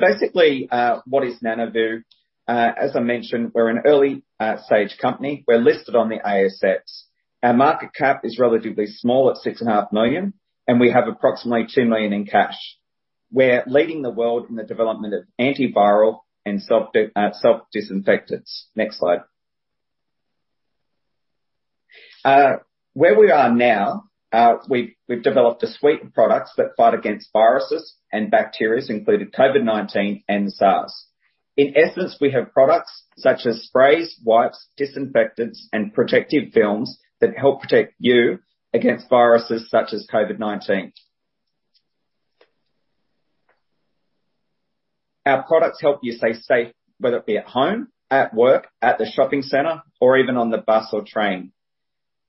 Basically, what is Nanoveu? As I mentioned, we're an early stage company. We're listed on the ASX. Our market cap is relatively small at 6.5 million, and we have approximately 2 million in cash. We're leading the world in the development of antiviral and self-disinfectants. Next slide. Where we are now, we've developed a suite of products that fight against viruses and bacteria, including COVID-19 and the SARS. In essence, we have products such as sprays, wipes, disinfectants, and protective films that help protect you against viruses such as COVID-19. Our products help you stay safe, whether it be at home, at work, at the shopping center, or even on the bus or train.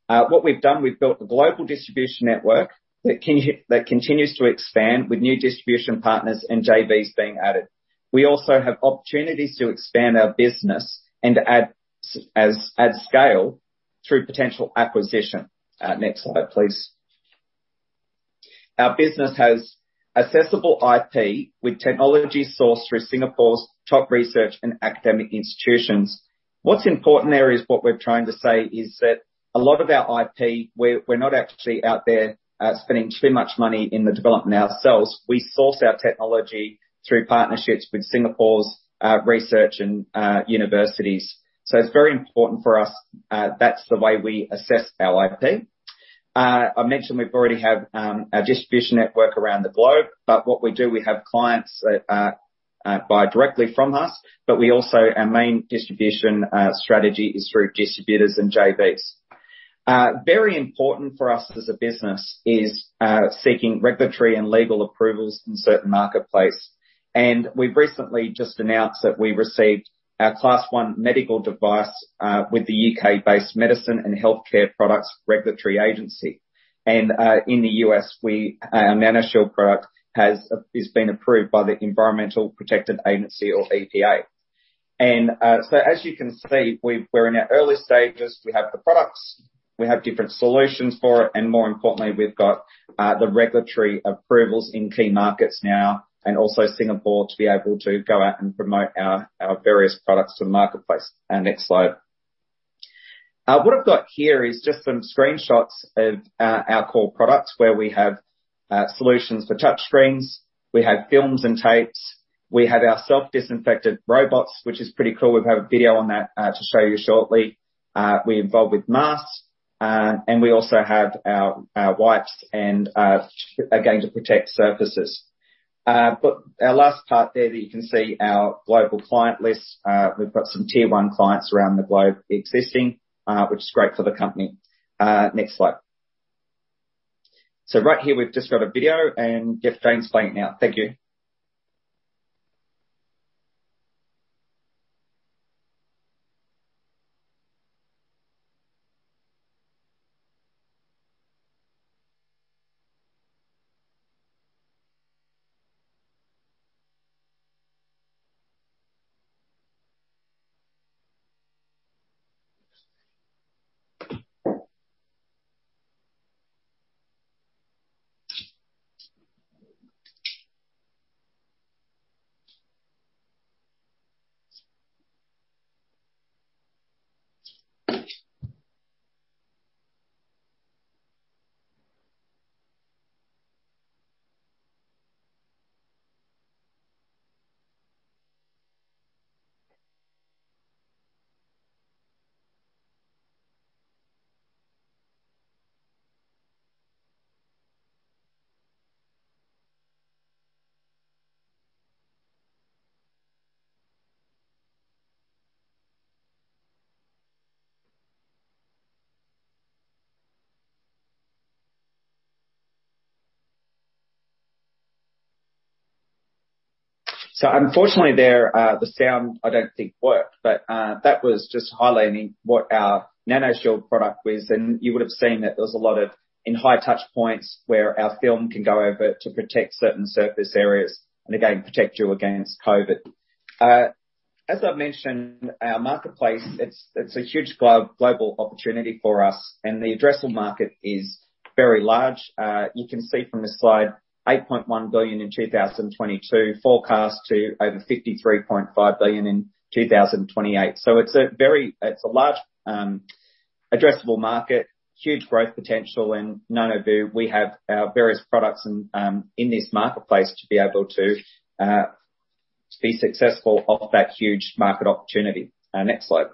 What we've done, we've built a global distribution network that continues to expand with new distribution partners and JVs being added. We also have opportunities to expand our business and add scale through potential acquisition. Next slide, please. Our business has accessible IP with technology sourced through Singapore's top research and academic institutions. What's important there is what we're trying to say is that a lot of our IP, we're not actually out there spending too much money in the development ourselves. We source our technology through partnerships with Singapore's research and universities. It's very important for us, that's the way we assess our IP. I mentioned we already have a distribution network around the globe, but what we do, we have clients that buy directly from us, but we also, our main distribution strategy is through distributors and JVs. Very important for us as a business is seeking regulatory and legal approvals in certain marketplace. We've recently just announced that we received our Class One medical device with the U.K.-based Medicines and Healthcare products Regulatory Agency. In the U.S., our NanoShield product has been approved by the Environmental Protection Agency or EPA. As you can see, we're in our early stages. We have the products, we have different solutions for it, and more importantly, we've got the regulatory approvals in key markets now, and also Singapore, to be able to go out and promote our various products to the marketplace. Next slide. What I've got here is just some screenshots of our core products, where we have solutions for touch screens. We have films and tapes. We have our self-disinfecting robots, which is pretty cool. We have a video on that to show you shortly. We're involved with masks, and we also have our wipes and again, to protect surfaces. Our last part there that you can see is our global client list. We've got some tier one clients around the globe existing, which is great for the company. Next slide. Right here, we've just got a video and yeah, Jane's playing it now. Thank you. Unfortunately there, the sound I don't think worked, but that was just highlighting what our NanoShield product was. You would have seen that there was a lot of high-touch points where our film can go over to protect certain surface areas and again, protect you against COVID. As I've mentioned, our marketplace, it's a huge global opportunity for us, and the addressable market is very large. You can see from the slide, 8.1 billion in 2022, forecast to over 53.5 billion in 2028. It's a large addressable market, huge growth potential, and Nanoveu we have our various products and in this marketplace to be able to be successful off that huge market opportunity. Next slide.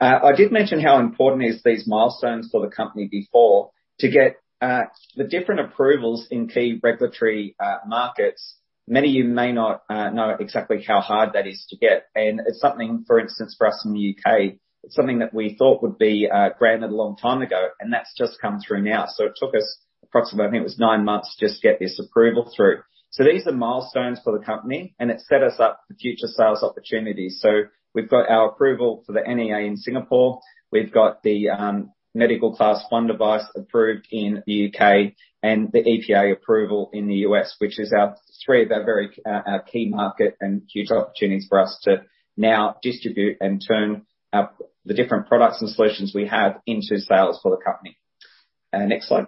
I did mention how important is these milestones for the company before to get the different approvals in key regulatory markets. Many of you may not know exactly how hard that is to get, and it's something, for instance, for us in the U.K., it's something that we thought would be granted a long time ago, and that's just come through now. It took us approximately, I think it was nine months just to get this approval through. These are milestones for the company, and it set us up for future sales opportunities. We've got our approval for the NEA in Singapore. We've got the medical class one device approved in the U.K. and the EPA approval in the U.S., which is one of our very key market and huge opportunities for us to now distribute and turn the different products and solutions we have into sales for the company. Next slide.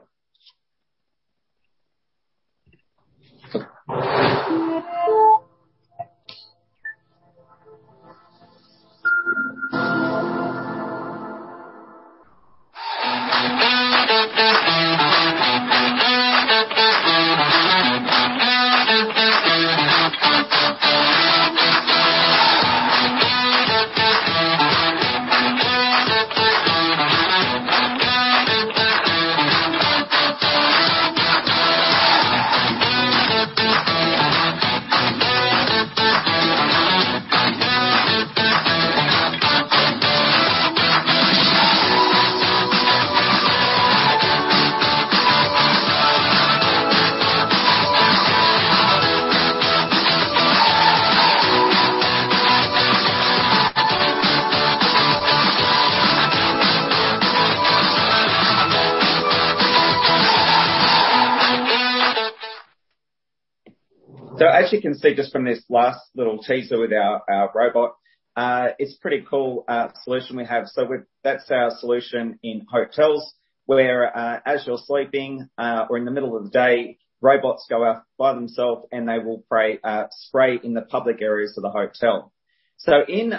As you can see just from this last little teaser with our robot, it's a pretty cool solution we have. That's our solution in hotels where, as you're sleeping or in the middle of the day, robots go out by themselves, and they will spray in the public areas of the hotel. In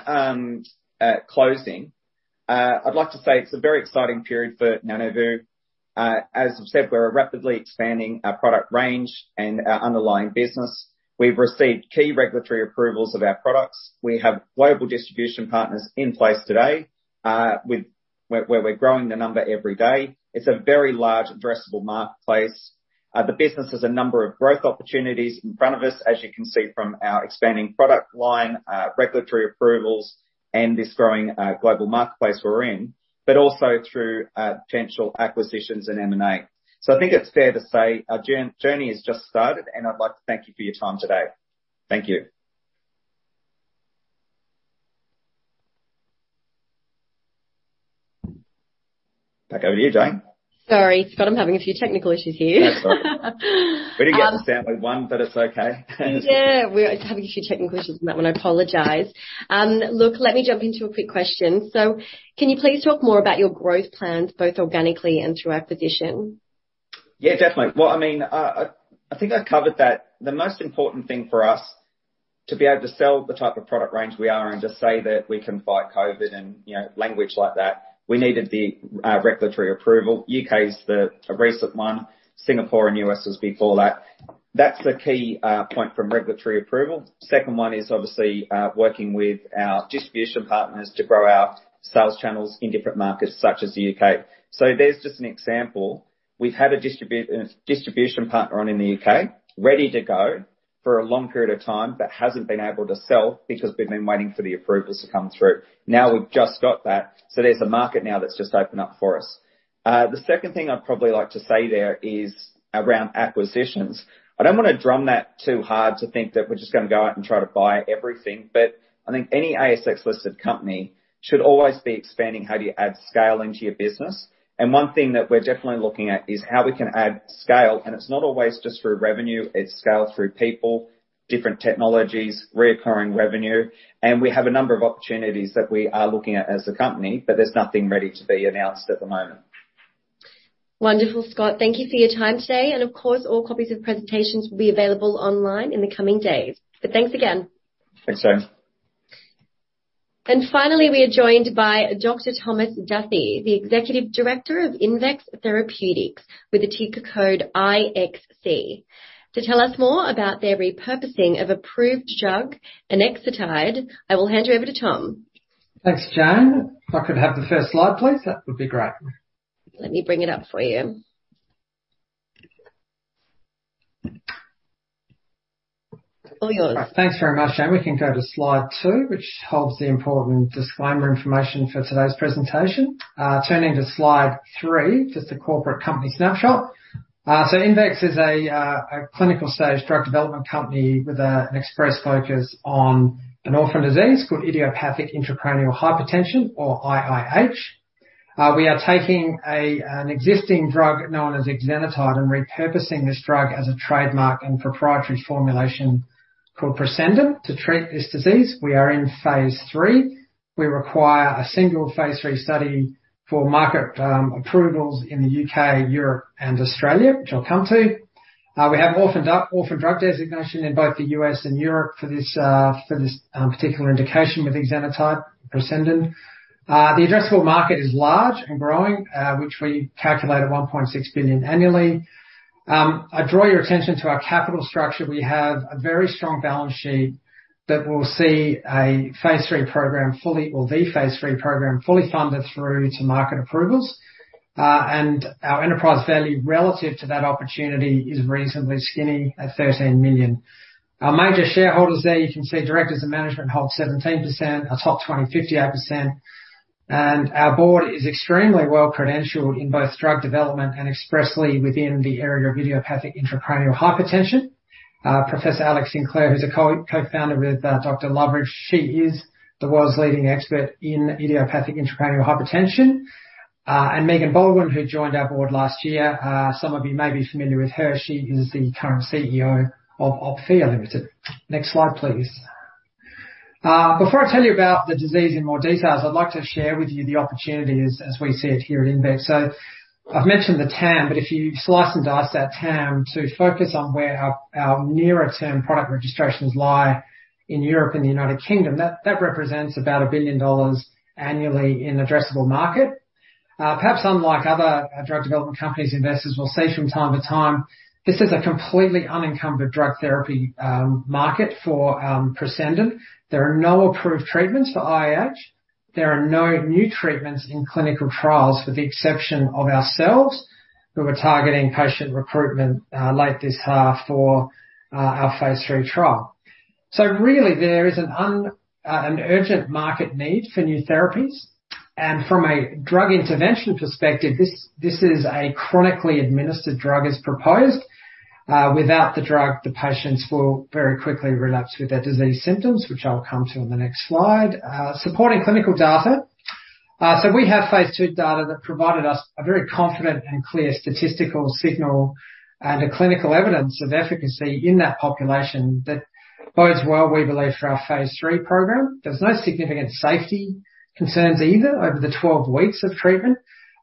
closing, I'd like to say it's a very exciting period for Nanoveu. As we've said, we're rapidly expanding our product range and our underlying business. We've received key regulatory approvals of our products. We have global distribution partners in place today, where we're growing the number every day. It's a very large addressable marketplace. The business has a number of growth opportunities in front of us, as you can see from our expanding product line, regulatory approvals, and this growing global marketplace we're in, but also through potential acquisitions and M&A. I think it's fair to say our journey has just started, and I'd like to thank you for your time today. Thank you. Back over to you, Jane. Sorry, Scott, I'm having a few technical issues here. That's all right. We did get sound on one, but it's okay. Yeah. We're having a few technical issues on that one. I apologize. Look, let me jump into a quick question. Can you please talk more about your growth plans, both organically and through acquisition? Yeah, definitely. Well, I mean, I think I covered that. The most important thing for us to be able to sell the type of product range we are and to say that we can fight COVID and, you know, language like that, we needed the regulatory approval. U.K. is a recent one, Singapore and U.S. was before that. That's the key point from regulatory approval. Second one is obviously working with our distribution partners to grow our sales channels in different markets, such as the U.K. So there's just an example. We've had a distribution partner on in the U.K. ready to go for a long period of time that hasn't been able to sell because we've been waiting for the approvals to come through. Now, we've just got that. So there's a market now that's just opened up for us. The second thing I'd probably like to say there is around acquisitions. I don't wanna drum that too hard to think that we're just gonna go out and try to buy everything, but I think any ASX-listed company should always be expanding how do you add scale into your business. One thing that we're definitely looking at is how we can add scale, and it's not always just through revenue. It's scale through people, different technologies, recurring revenue. We have a number of opportunities that we are looking at as a company, but there's nothing ready to be announced at the moment. Wonderful, Scott. Thank you for your time today. Of course, all copies of presentations will be available online in the coming days. Thanks again. Thanks, Jane. Finally, we are joined by Dr Thomas Duthy, the Executive Director of Invex Therapeutics with the ticker code IXC. To tell us more about their repurposing of approved drug, exenatide, I will hand you over to Tom. Thanks, Jane. If I could have the first slide, please, that would be great. Let me bring it up for you. Thanks very much, Jen. We can go to slide two, which holds the important disclaimer information for today's presentation. Turning to slide three, just a corporate company snapshot. Invex is a clinical-stage drug development company with an express focus on an orphan disease called idiopathic intracranial hypertension or IIH. We are taking an existing drug known as exenatide and repurposing this drug as a trademark and proprietary formulation called Presendin to treat this disease. We are in phase III. We require a single phase III study for market approvals in the U.K., Europe and Australia, which I'll come to. We have orphan drug designation in both the U.S. and Europe for this particular indication with exenatide Presendin. The addressable market is large and growing, which we calculate at 1.6 billion annually. I draw your attention to our capital structure. We have a very strong balance sheet that will see a phase III program fully funded through to market approvals. Our enterprise value relative to that opportunity is reasonably skinny at 13 million. Our major shareholders there, you can see directors and management hold 17%. Our top 20, 58%. Our board is extremely well credentialed in both drug development and expressly within the area of idiopathic intracranial hypertension. Professor Alexandra Sinclair, who's a co-founder with Dr Loveridge, she is the world's leading expert in idiopathic intracranial hypertension. Megan Baldwin, who joined our board last year. Some of you may be familiar with her. She is the current CEO of Opthea Limited. Next slide, please. Before I tell you about the disease in more details, I'd like to share with you the opportunity as we see it here at Invex. I've mentioned the TAM, but if you slice and dice that TAM to focus on where our nearer term product registrations lie in Europe and the United Kingdom, that represents about $1 billion annually in addressable market. Perhaps unlike other drug development companies investors will see from time to time, this is a completely unencumbered drug therapy market for Presendin. There are no approved treatments for IIH. There are no new treatments in clinical trials with the exception of ourselves, who are targeting patient recruitment late this half for our phase III trial. Really there is an urgent market need for new therapies. From a drug intervention perspective, this is a chronically administered drug as proposed. Without the drug, the patients will very quickly relapse with their disease symptoms, which I'll come to on the next slide. Supporting clinical data. We have phase II data that provided us a very confident and clear statistical signal, and the clinical evidence of efficacy in that population that bodes well, we believe, for our phase III program. There's no significant safety concerns either over the 12 weeks of treatment.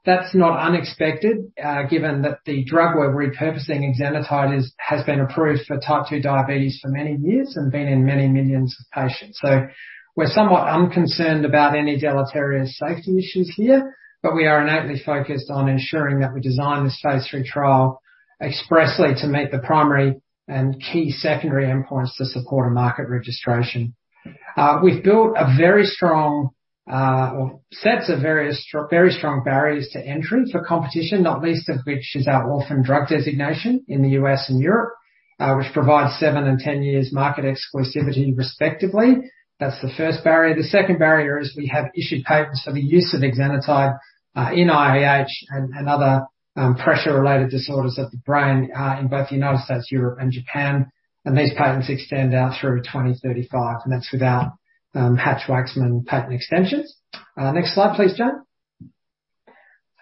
That's not unexpected, given that the drug we're repurposing, exenatide, has been approved for type 2 diabetes for many years and been in many millions of patients. We're somewhat unconcerned about any deleterious safety issues here, but we are innately focused on ensuring that we design this phase III trial expressly to meet the primary and key secondary endpoints to support a market registration. We've built a very strong barriers to entry for competition, not least of which is our orphan drug designation in the U.S. and Europe, which provides seven and 10 years market exclusivity respectively. That's the first barrier. The second barrier is we have issued patents for the use of exenatide in IIH and other pressure-related disorders of the brain in both the United States, Europe, and Japan. These patents extend out through to 2035, and that's without Hatch-Waxman patent extensions. Next slide please, Jen.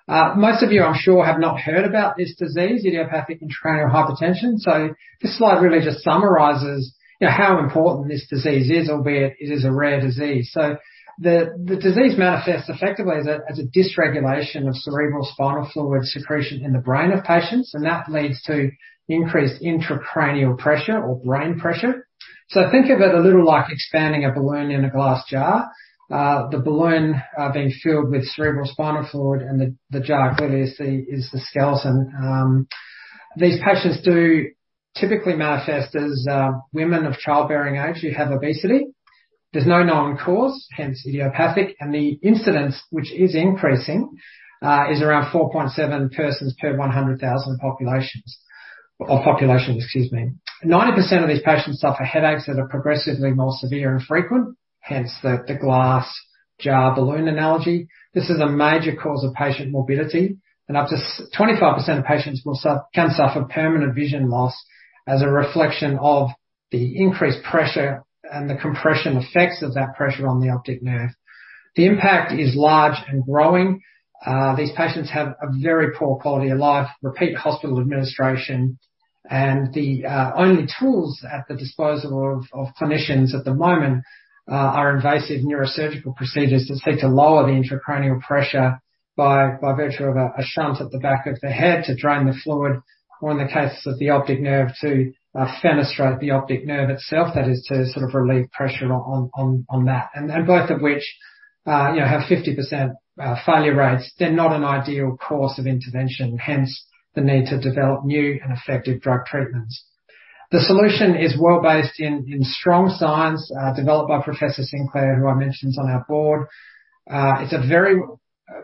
Most of you, I'm sure, have not heard about this disease, idiopathic intracranial hypertension. This slide really just summarizes, you know, how important this disease is, albeit it is a rare disease. The disease manifests effectively as a dysregulation of cerebrospinal fluid secretion in the brain of patients, and that leads to increased intracranial pressure or brain pressure. Think of it a little like expanding a balloon in a glass jar. The balloon being filled with cerebrospinal fluid and the jar clearly is the skeleton. These patients do typically manifest as women of childbearing age who have obesity. There's no known cause, hence idiopathic, and the incidence, which is increasing, is around 4.7 persons per 100,000 population, excuse me. 90% of these patients suffer headaches that are progressively more severe and frequent, hence the glass jar balloon analogy. This is a major cause of patient morbidity, and up to 25% of patients can suffer permanent vision loss as a reflection of the increased pressure and the compression effects of that pressure on the optic nerve. The impact is large and growing. These patients have a very poor quality of life, repeat hospital admissions, and the only tools at the disposal of clinicians at the moment are invasive neurosurgical procedures that seek to lower the intracranial pressure by virtue of a shunt at the back of the head to drain the fluid or in the case of the optic nerve, to fenestrate the optic nerve itself. That is to sort of relieve pressure on that. Both of which, you know, have 50% failure rates. They're not an ideal course of intervention, hence the need to develop new and effective drug treatments. The solution is well based in strong science, developed by Professor Sinclair, who I mentioned is on our board. It's.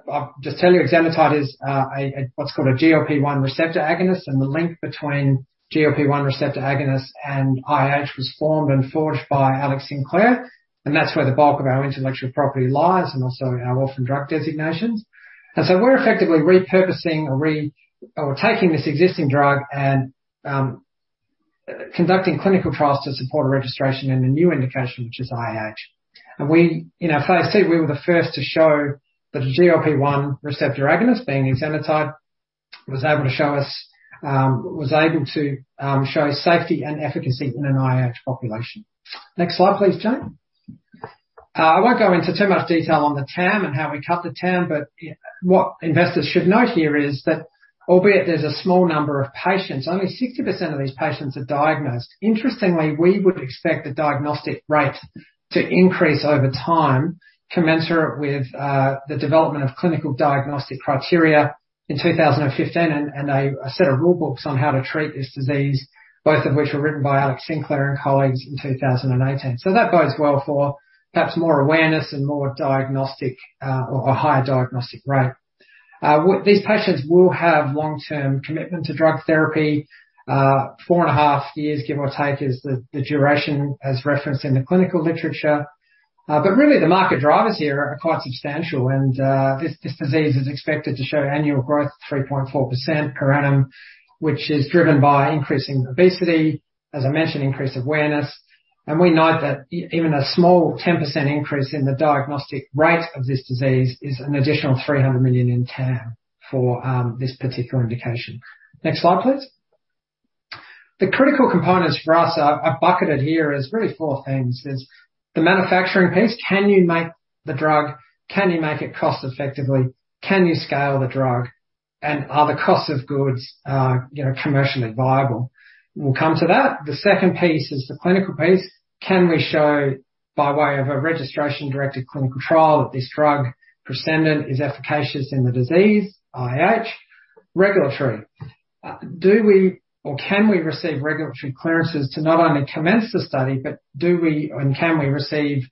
I'll just tell you, exenatide is a what's called a GLP-1 receptor agonist, and the link between GLP-1 receptor agonist and IIH was formed and forged by Alex Sinclair, and that's where the bulk of our intellectual property lies and also our orphan drug designations. We're effectively repurposing or taking this existing drug and conducting clinical trials to support a registration in the new indication, which is IIH. In our phase II, we were the first to show that a GLP-1 receptor agonist, being exenatide, was able to show safety and efficacy in an IIH population. Next slide, please, Jane. I won't go into too much detail on the TAM and how we cut the TAM, but what investors should note here is that albeit there's a small number of patients, only 60% of these patients are diagnosed. Interestingly, we would expect the diagnostic rate to increase over time, commensurate with the development of clinical diagnostic criteria in 2015, and a set of rule books on how to treat this disease, both of which were written by Alex Sinclair and colleagues in 2018. That bodes well for perhaps more awareness and more diagnostic, or a higher diagnostic rate. These patients will have long-term commitment to drug therapy. 4.5 years, give or take, is the duration as referenced in the clinical literature. But really the market drivers here are quite substantial and, this disease is expected to show annual growth of 3.4% per annum, which is driven by increasing obesity, as I mentioned, increased awareness. We note that even a small 10% increase in the diagnostic rate of this disease is an additional 300 million in TAM for this particular indication. Next slide, please. The critical components for us are bucketed here as really four things. There's the manufacturing piece. Can you make the drug? Can you make it cost effectively? Can you scale the drug? Are the cost of goods commercially viable? We'll come to that. The second piece is the clinical piece. Can we show by way of a registration directed clinical trial that this drug, Presendin, is efficacious in the disease, IIH? Regulatory. Do we or can we receive regulatory clearances to not only commence the study, but do we and can we receive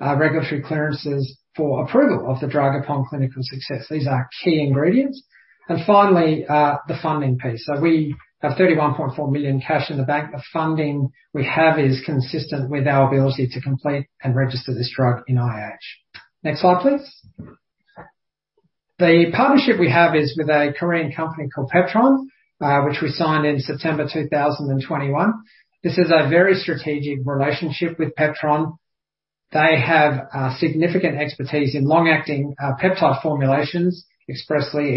regulatory clearances for approval of the drug upon clinical success? These are key ingredients. Finally, the funding piece. We have 31.4 million cash in the bank. The funding we have is consistent with our ability to complete and register this drug in IIH. Next slide, please. The partnership we have is with a Korean company called Peptron, which we signed in September 2021. This is a very strategic relationship with Peptron. They have significant expertise in long-acting peptide formulations, especially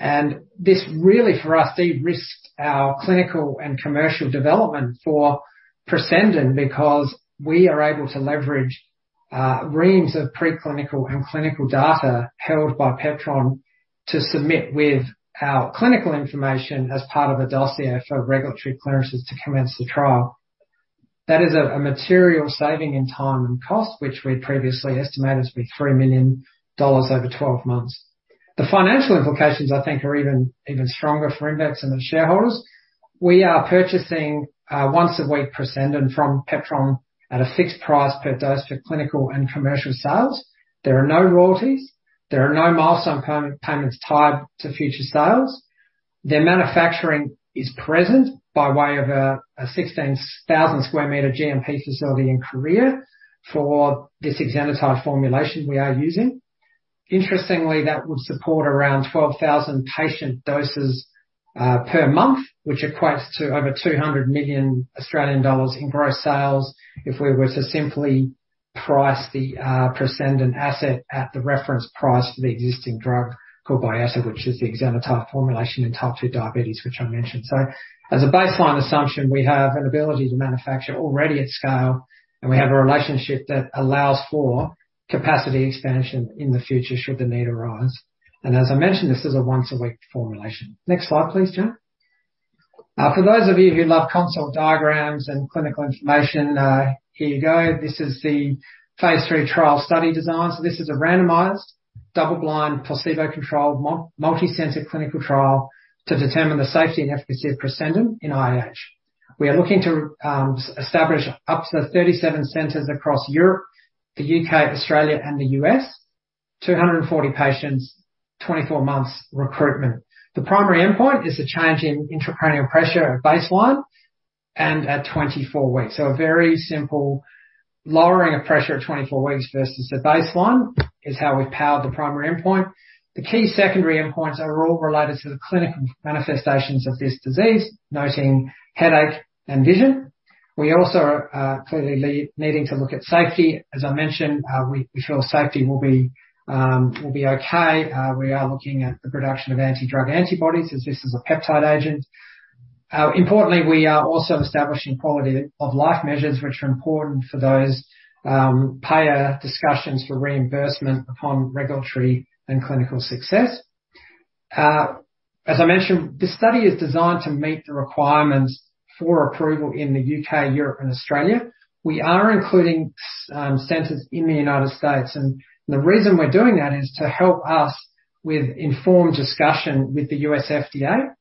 exenatide. This really, for us, de-risked our clinical and commercial development for Presendin because we are able to leverage reams of pre-clinical and clinical data held by Peptron to submit with our clinical information as part of a dossier for regulatory clearances to commence the trial. That is a material saving in time and cost, which we previously estimated to be 3 million dollars over 12 months. The financial implications, I think, are even stronger for Invex and the shareholders. We are purchasing once a week Presendin from Peptron at a fixed price per dose for clinical and commercial sales. There are no royalties. There are no milestone payments tied to future sales. Their manufacturing is present by way of a 16,000 sq m GMP facility in Korea for this exenatide formulation we are using. Interestingly, that would support around 12,000 patient doses per month, which equates to over 200 million Australian dollars in gross sales if we were to simply price the Presendin asset at the reference price for the existing drug called Byetta, which is the exenatide formulation in type 2 diabetes, which I mentioned. As a baseline assumption, we have an ability to manufacture already at scale, and we have a relationship that allows for capacity expansion in the future should the need arise. As I mentioned, this is a once a week formulation. Next slide, please, Jane. For those of you who love CONSORT diagrams and clinical information, here you go. This is the phase III trial study design. This is a randomized double-blind, placebo-controlled multicenter clinical trial to determine the safety and efficacy of Presendin in IIH. We are looking to establish up to 37 centers across Europe, the U.K., Australia, and the U.S. 240 patients, 24 months recruitment. The primary endpoint is the change in intracranial pressure at baseline and at 24 weeks. A very simple lowering of pressure at 24 weeks versus the baseline is how we've powered the primary endpoint. The key secondary endpoints are all related to the clinical manifestations of this disease, noting headache and vision. We also are clearly needing to look at safety. As I mentioned, we feel safety will be okay. We are looking at the production of anti-drug antibodies, as this is a peptide agent. Importantly, we are also establishing quality of life measures which are important for those payer discussions for reimbursement upon regulatory and clinical success. As I mentioned, this study is designed to meet the requirements for approval in the U.K., Europe, and Australia. We are including centers in the United States, and the reason we're doing that is to help us with informed discussion with the U.S. FDA.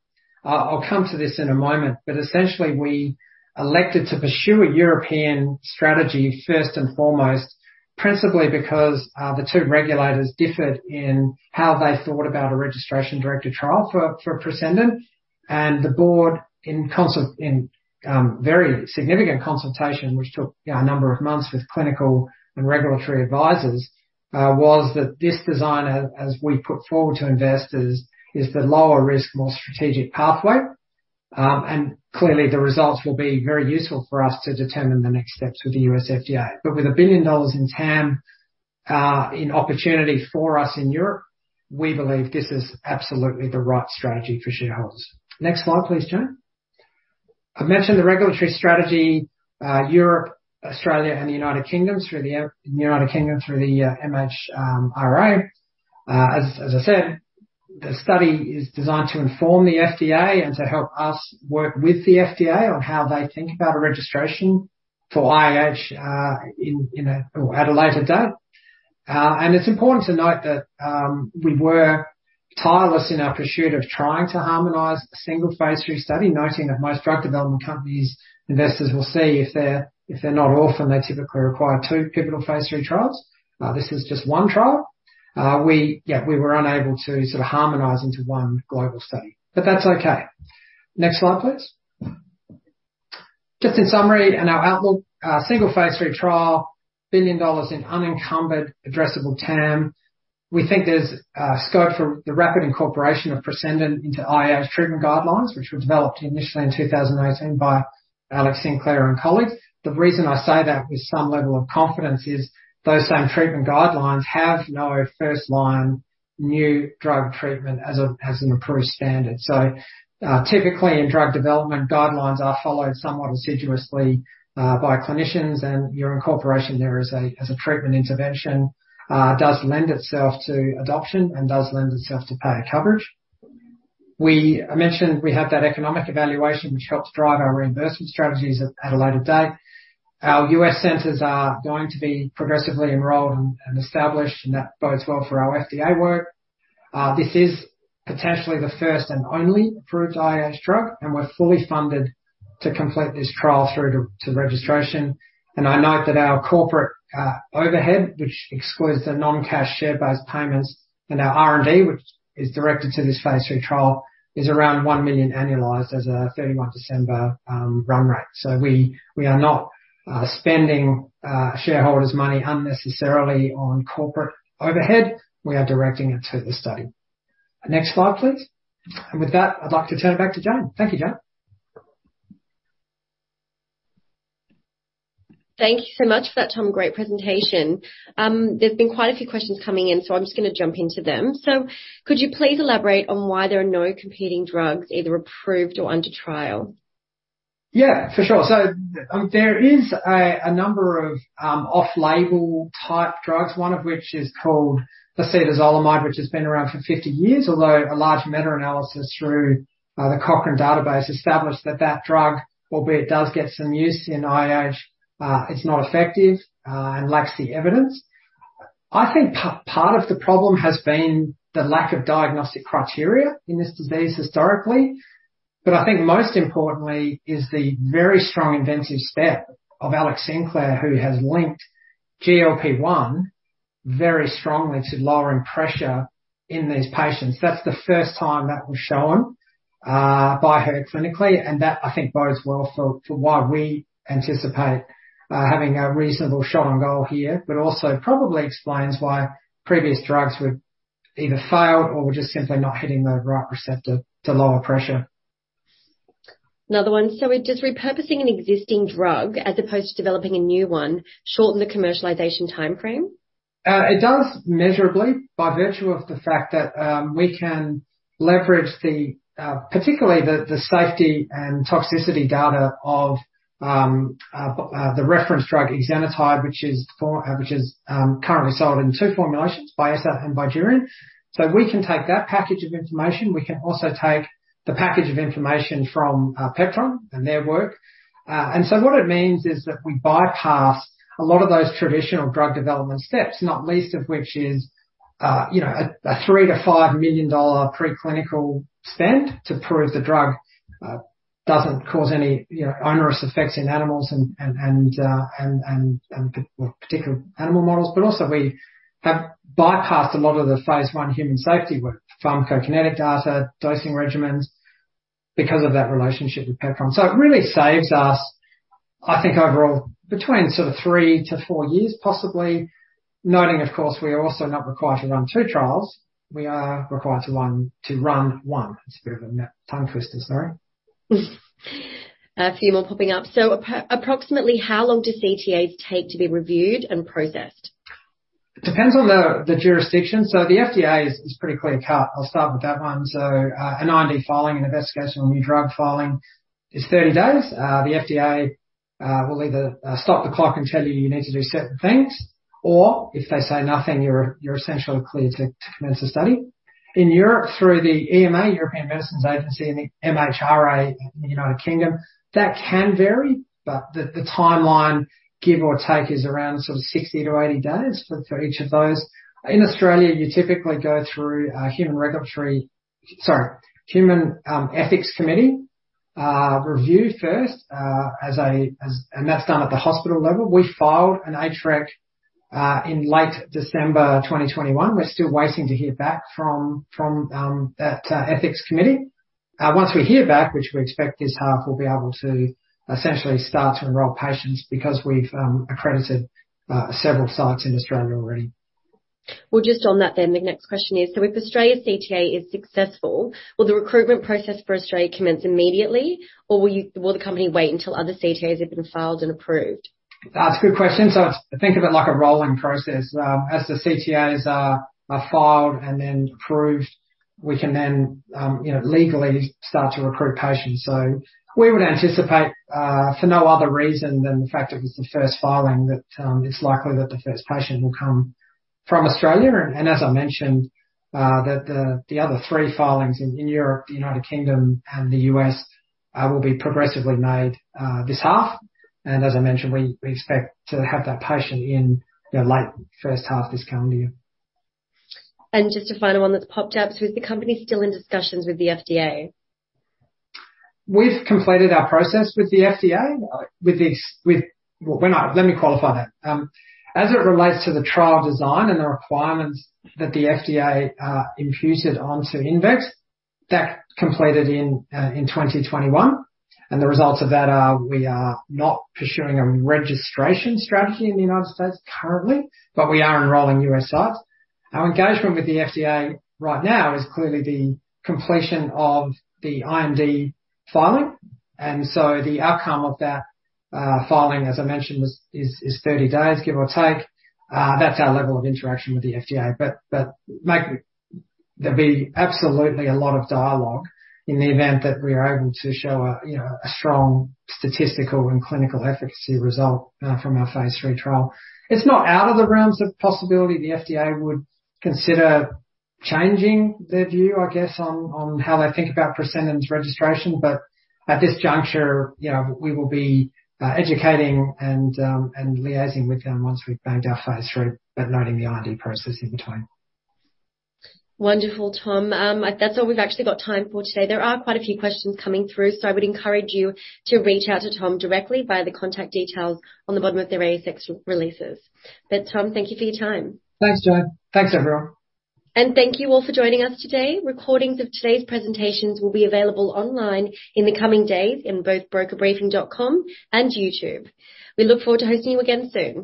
I'll come to this in a moment, but essentially we elected to pursue a European strategy first and foremost, principally because the two regulators differed in how they thought about a registration-directed trial for Presendin. The board, in very significant consultation, which took a number of months with clinical and regulatory advisors, was that this design, as we put forward to investors, is the lower risk, more strategic pathway. Clearly the results will be very useful for us to determine the next steps with the U.S. FDA. With $1 billion in TAM in opportunity for us in Europe, we believe this is absolutely the right strategy for shareholders. Next slide, please, Jane. I mentioned the regulatory strategy, Europe, Australia, and the United Kingdom through the MHRA. As I said, the study is designed to inform the FDA and to help us work with the FDA on how they think about a registration for IIH at a later date. It's important to note that we were tireless in our pursuit of trying to harmonize a single phase III study, noting that most drug development companies, investors will see if they're not orphan, they typically require two pivotal phase III trials. This is just one trial. We were unable to sort of harmonize into one global study, but that's okay. Next slide, please. Just in summary, in our outlook, phase III trial, 1 billion dollars in unencumbered addressable TAM. We think there's scope for the rapid incorporation of Presendin into IIH treatment guidelines, which were developed initially in 2018 by Alex Sinclair and colleagues. The reason I say that with some level of confidence is those same treatment guidelines have no first line new drug treatment as an approved standard. Typically in drug development, guidelines are followed somewhat assiduously by clinicians and your incorporation there as a treatment intervention does lend itself to adoption and does lend itself to payer coverage. I mentioned we have that economic evaluation, which helps drive our reimbursement strategies at a later date. Our U.S. centers are going to be progressively enrolled and established, and that bodes well for our FDA work. This is potentially the first and only approved IIH drug, and we're fully funded to complete this trial through to registration. I note that our corporate overhead, which excludes the non-cash share-based payments and our R&D, which is directed to this phase III trial, is around 1 million annualized as of 31 December run rate. We are not spending shareholders' money unnecessarily on corporate overhead. We are directing it to the study. Next slide, please. With that, I'd like to turn it back to Jane. Thank you, Jane. Thank you so much for that, Tom. Great presentation. There's been quite a few questions coming in, so I'm just gonna jump into them. Could you please elaborate on why there are no competing drugs either approved or under trial? Yeah, for sure. There is a number of off-label type drugs, one of which is called acetazolamide, which has been around for 50 years, although a large meta-analysis through the Cochrane Database established that that drug, albeit does get some use in IIH, it's not effective and lacks the evidence. I think part of the problem has been the lack of diagnostic criteria in this disease historically. I think most importantly is the very strong inventive step of Alex Sinclair, who has linked GLP-1 very strongly to lowering pressure in these patients. That's the first time that was shown by her clinically, and that, I think, bodes well for why we anticipate having a reasonable shot on goal here, but also probably explains why previous drugs were either failed or were just simply not hitting the right receptor to lower pressure. Another one. Would just repurposing an existing drug as opposed to developing a new one shorten the commercialization timeframe? It does measurably by virtue of the fact that we can leverage particularly the safety and toxicity data of the reference drug exenatide, which is currently sold in two formulations, Byetta and Bydureon so we can take that package of information. We can also take the package of information from Peptron and their work. What it means is that we bypass a lot of those traditional drug development steps, not least of which is you know a 3 million-5 million dollar preclinical spend to prove the drug doesn't cause any you know onerous effects in animals and particular animal models. Also we have bypassed a lot of the phase I human safety work, pharmacokinetic data, dosing regimens, because of that relationship with Petram. It really saves us, I think overall, between sort of three-four years, possibly. Noting, of course, we are also not required to run two trials, we are required to run one. It's a bit of a tongue twister, sorry. A few more popping up. Approximately how long does CTAs take to be reviewed and processed? It depends on the jurisdiction. The FDA is pretty clear-cut. I'll start with that one. An R&D filing, an investigational new drug filing is 30 days. The FDA will either stop the clock and tell you you need to do certain things, or if they say nothing, you're essentially clear to commence the study. In Europe, through the EMA, European Medicines Agency, and the MHRA in the United Kingdom, that can vary, but the timeline, give or take, is around sort of 60-80 days for each of those. In Australia, you typically go through a human ethics committee review first, and that's done at the hospital level. We filed an HREC in late December 2021. We're still waiting to hear back from that ethics committee. Once we hear back, which we expect this half, we'll be able to essentially start to enroll patients because we've accredited several sites in Australia already. Well, just on that then, the next question is: so if Australia's CTA is successful, will the recruitment process for Australia commence immediately, or will the company wait until other CTAs have been filed and approved? That's a good question. Think of it like a rolling process. As the CTAs are filed and then approved, we can then, you know, legally start to recruit patients. We would anticipate, for no other reason than the fact it was the first filing that, it's likely that the first patient will come from Australia. And as I mentioned, that the other three filings in Europe, the United Kingdom, and the U.S., will be progressively made, this half. As I mentioned, we expect to have that patient in, you know, late first half this calendar year. Just a final one that's popped up. Is the company still in discussions with the FDA? We've completed our process with the FDA. Well, we're not. Let me qualify that. As it relates to the trial design and the requirements that the FDA imposed on Invex, that completed in 2021, and the results of that are, we are not pursuing a registration strategy in the United States currently, but we are enrolling U.S. sites. Our engagement with the FDA right now is clearly the completion of the IND filing, and so the outcome of that filing, as I mentioned, is 30 days, give or take. That's our level of interaction with the FDA. There'll be absolutely a lot of dialogue in the event that we are able to show a, you know, a strong statistical and clinical efficacy result from our phase III trial. It's not out of the realms of possibility the FDA would consider changing their view, I guess, on how they think about Presendin's registration. At this juncture, you know, we will be educating and liaising with them once we've launched our phase III, noting the R&D process and the time. Wonderful, Tom. That's all we've actually got time for today. There are quite a few questions coming through, so I would encourage you to reach out to Tom directly via the contact details on the bottom of their ASX releases. Tom, thank you for your time. Thanks, Jane. Thanks, everyone. Thank you all for joining us today. Recordings of today's presentations will be available online in the coming days in both brokerbriefing.com and YouTube. We look forward to hosting you again soon.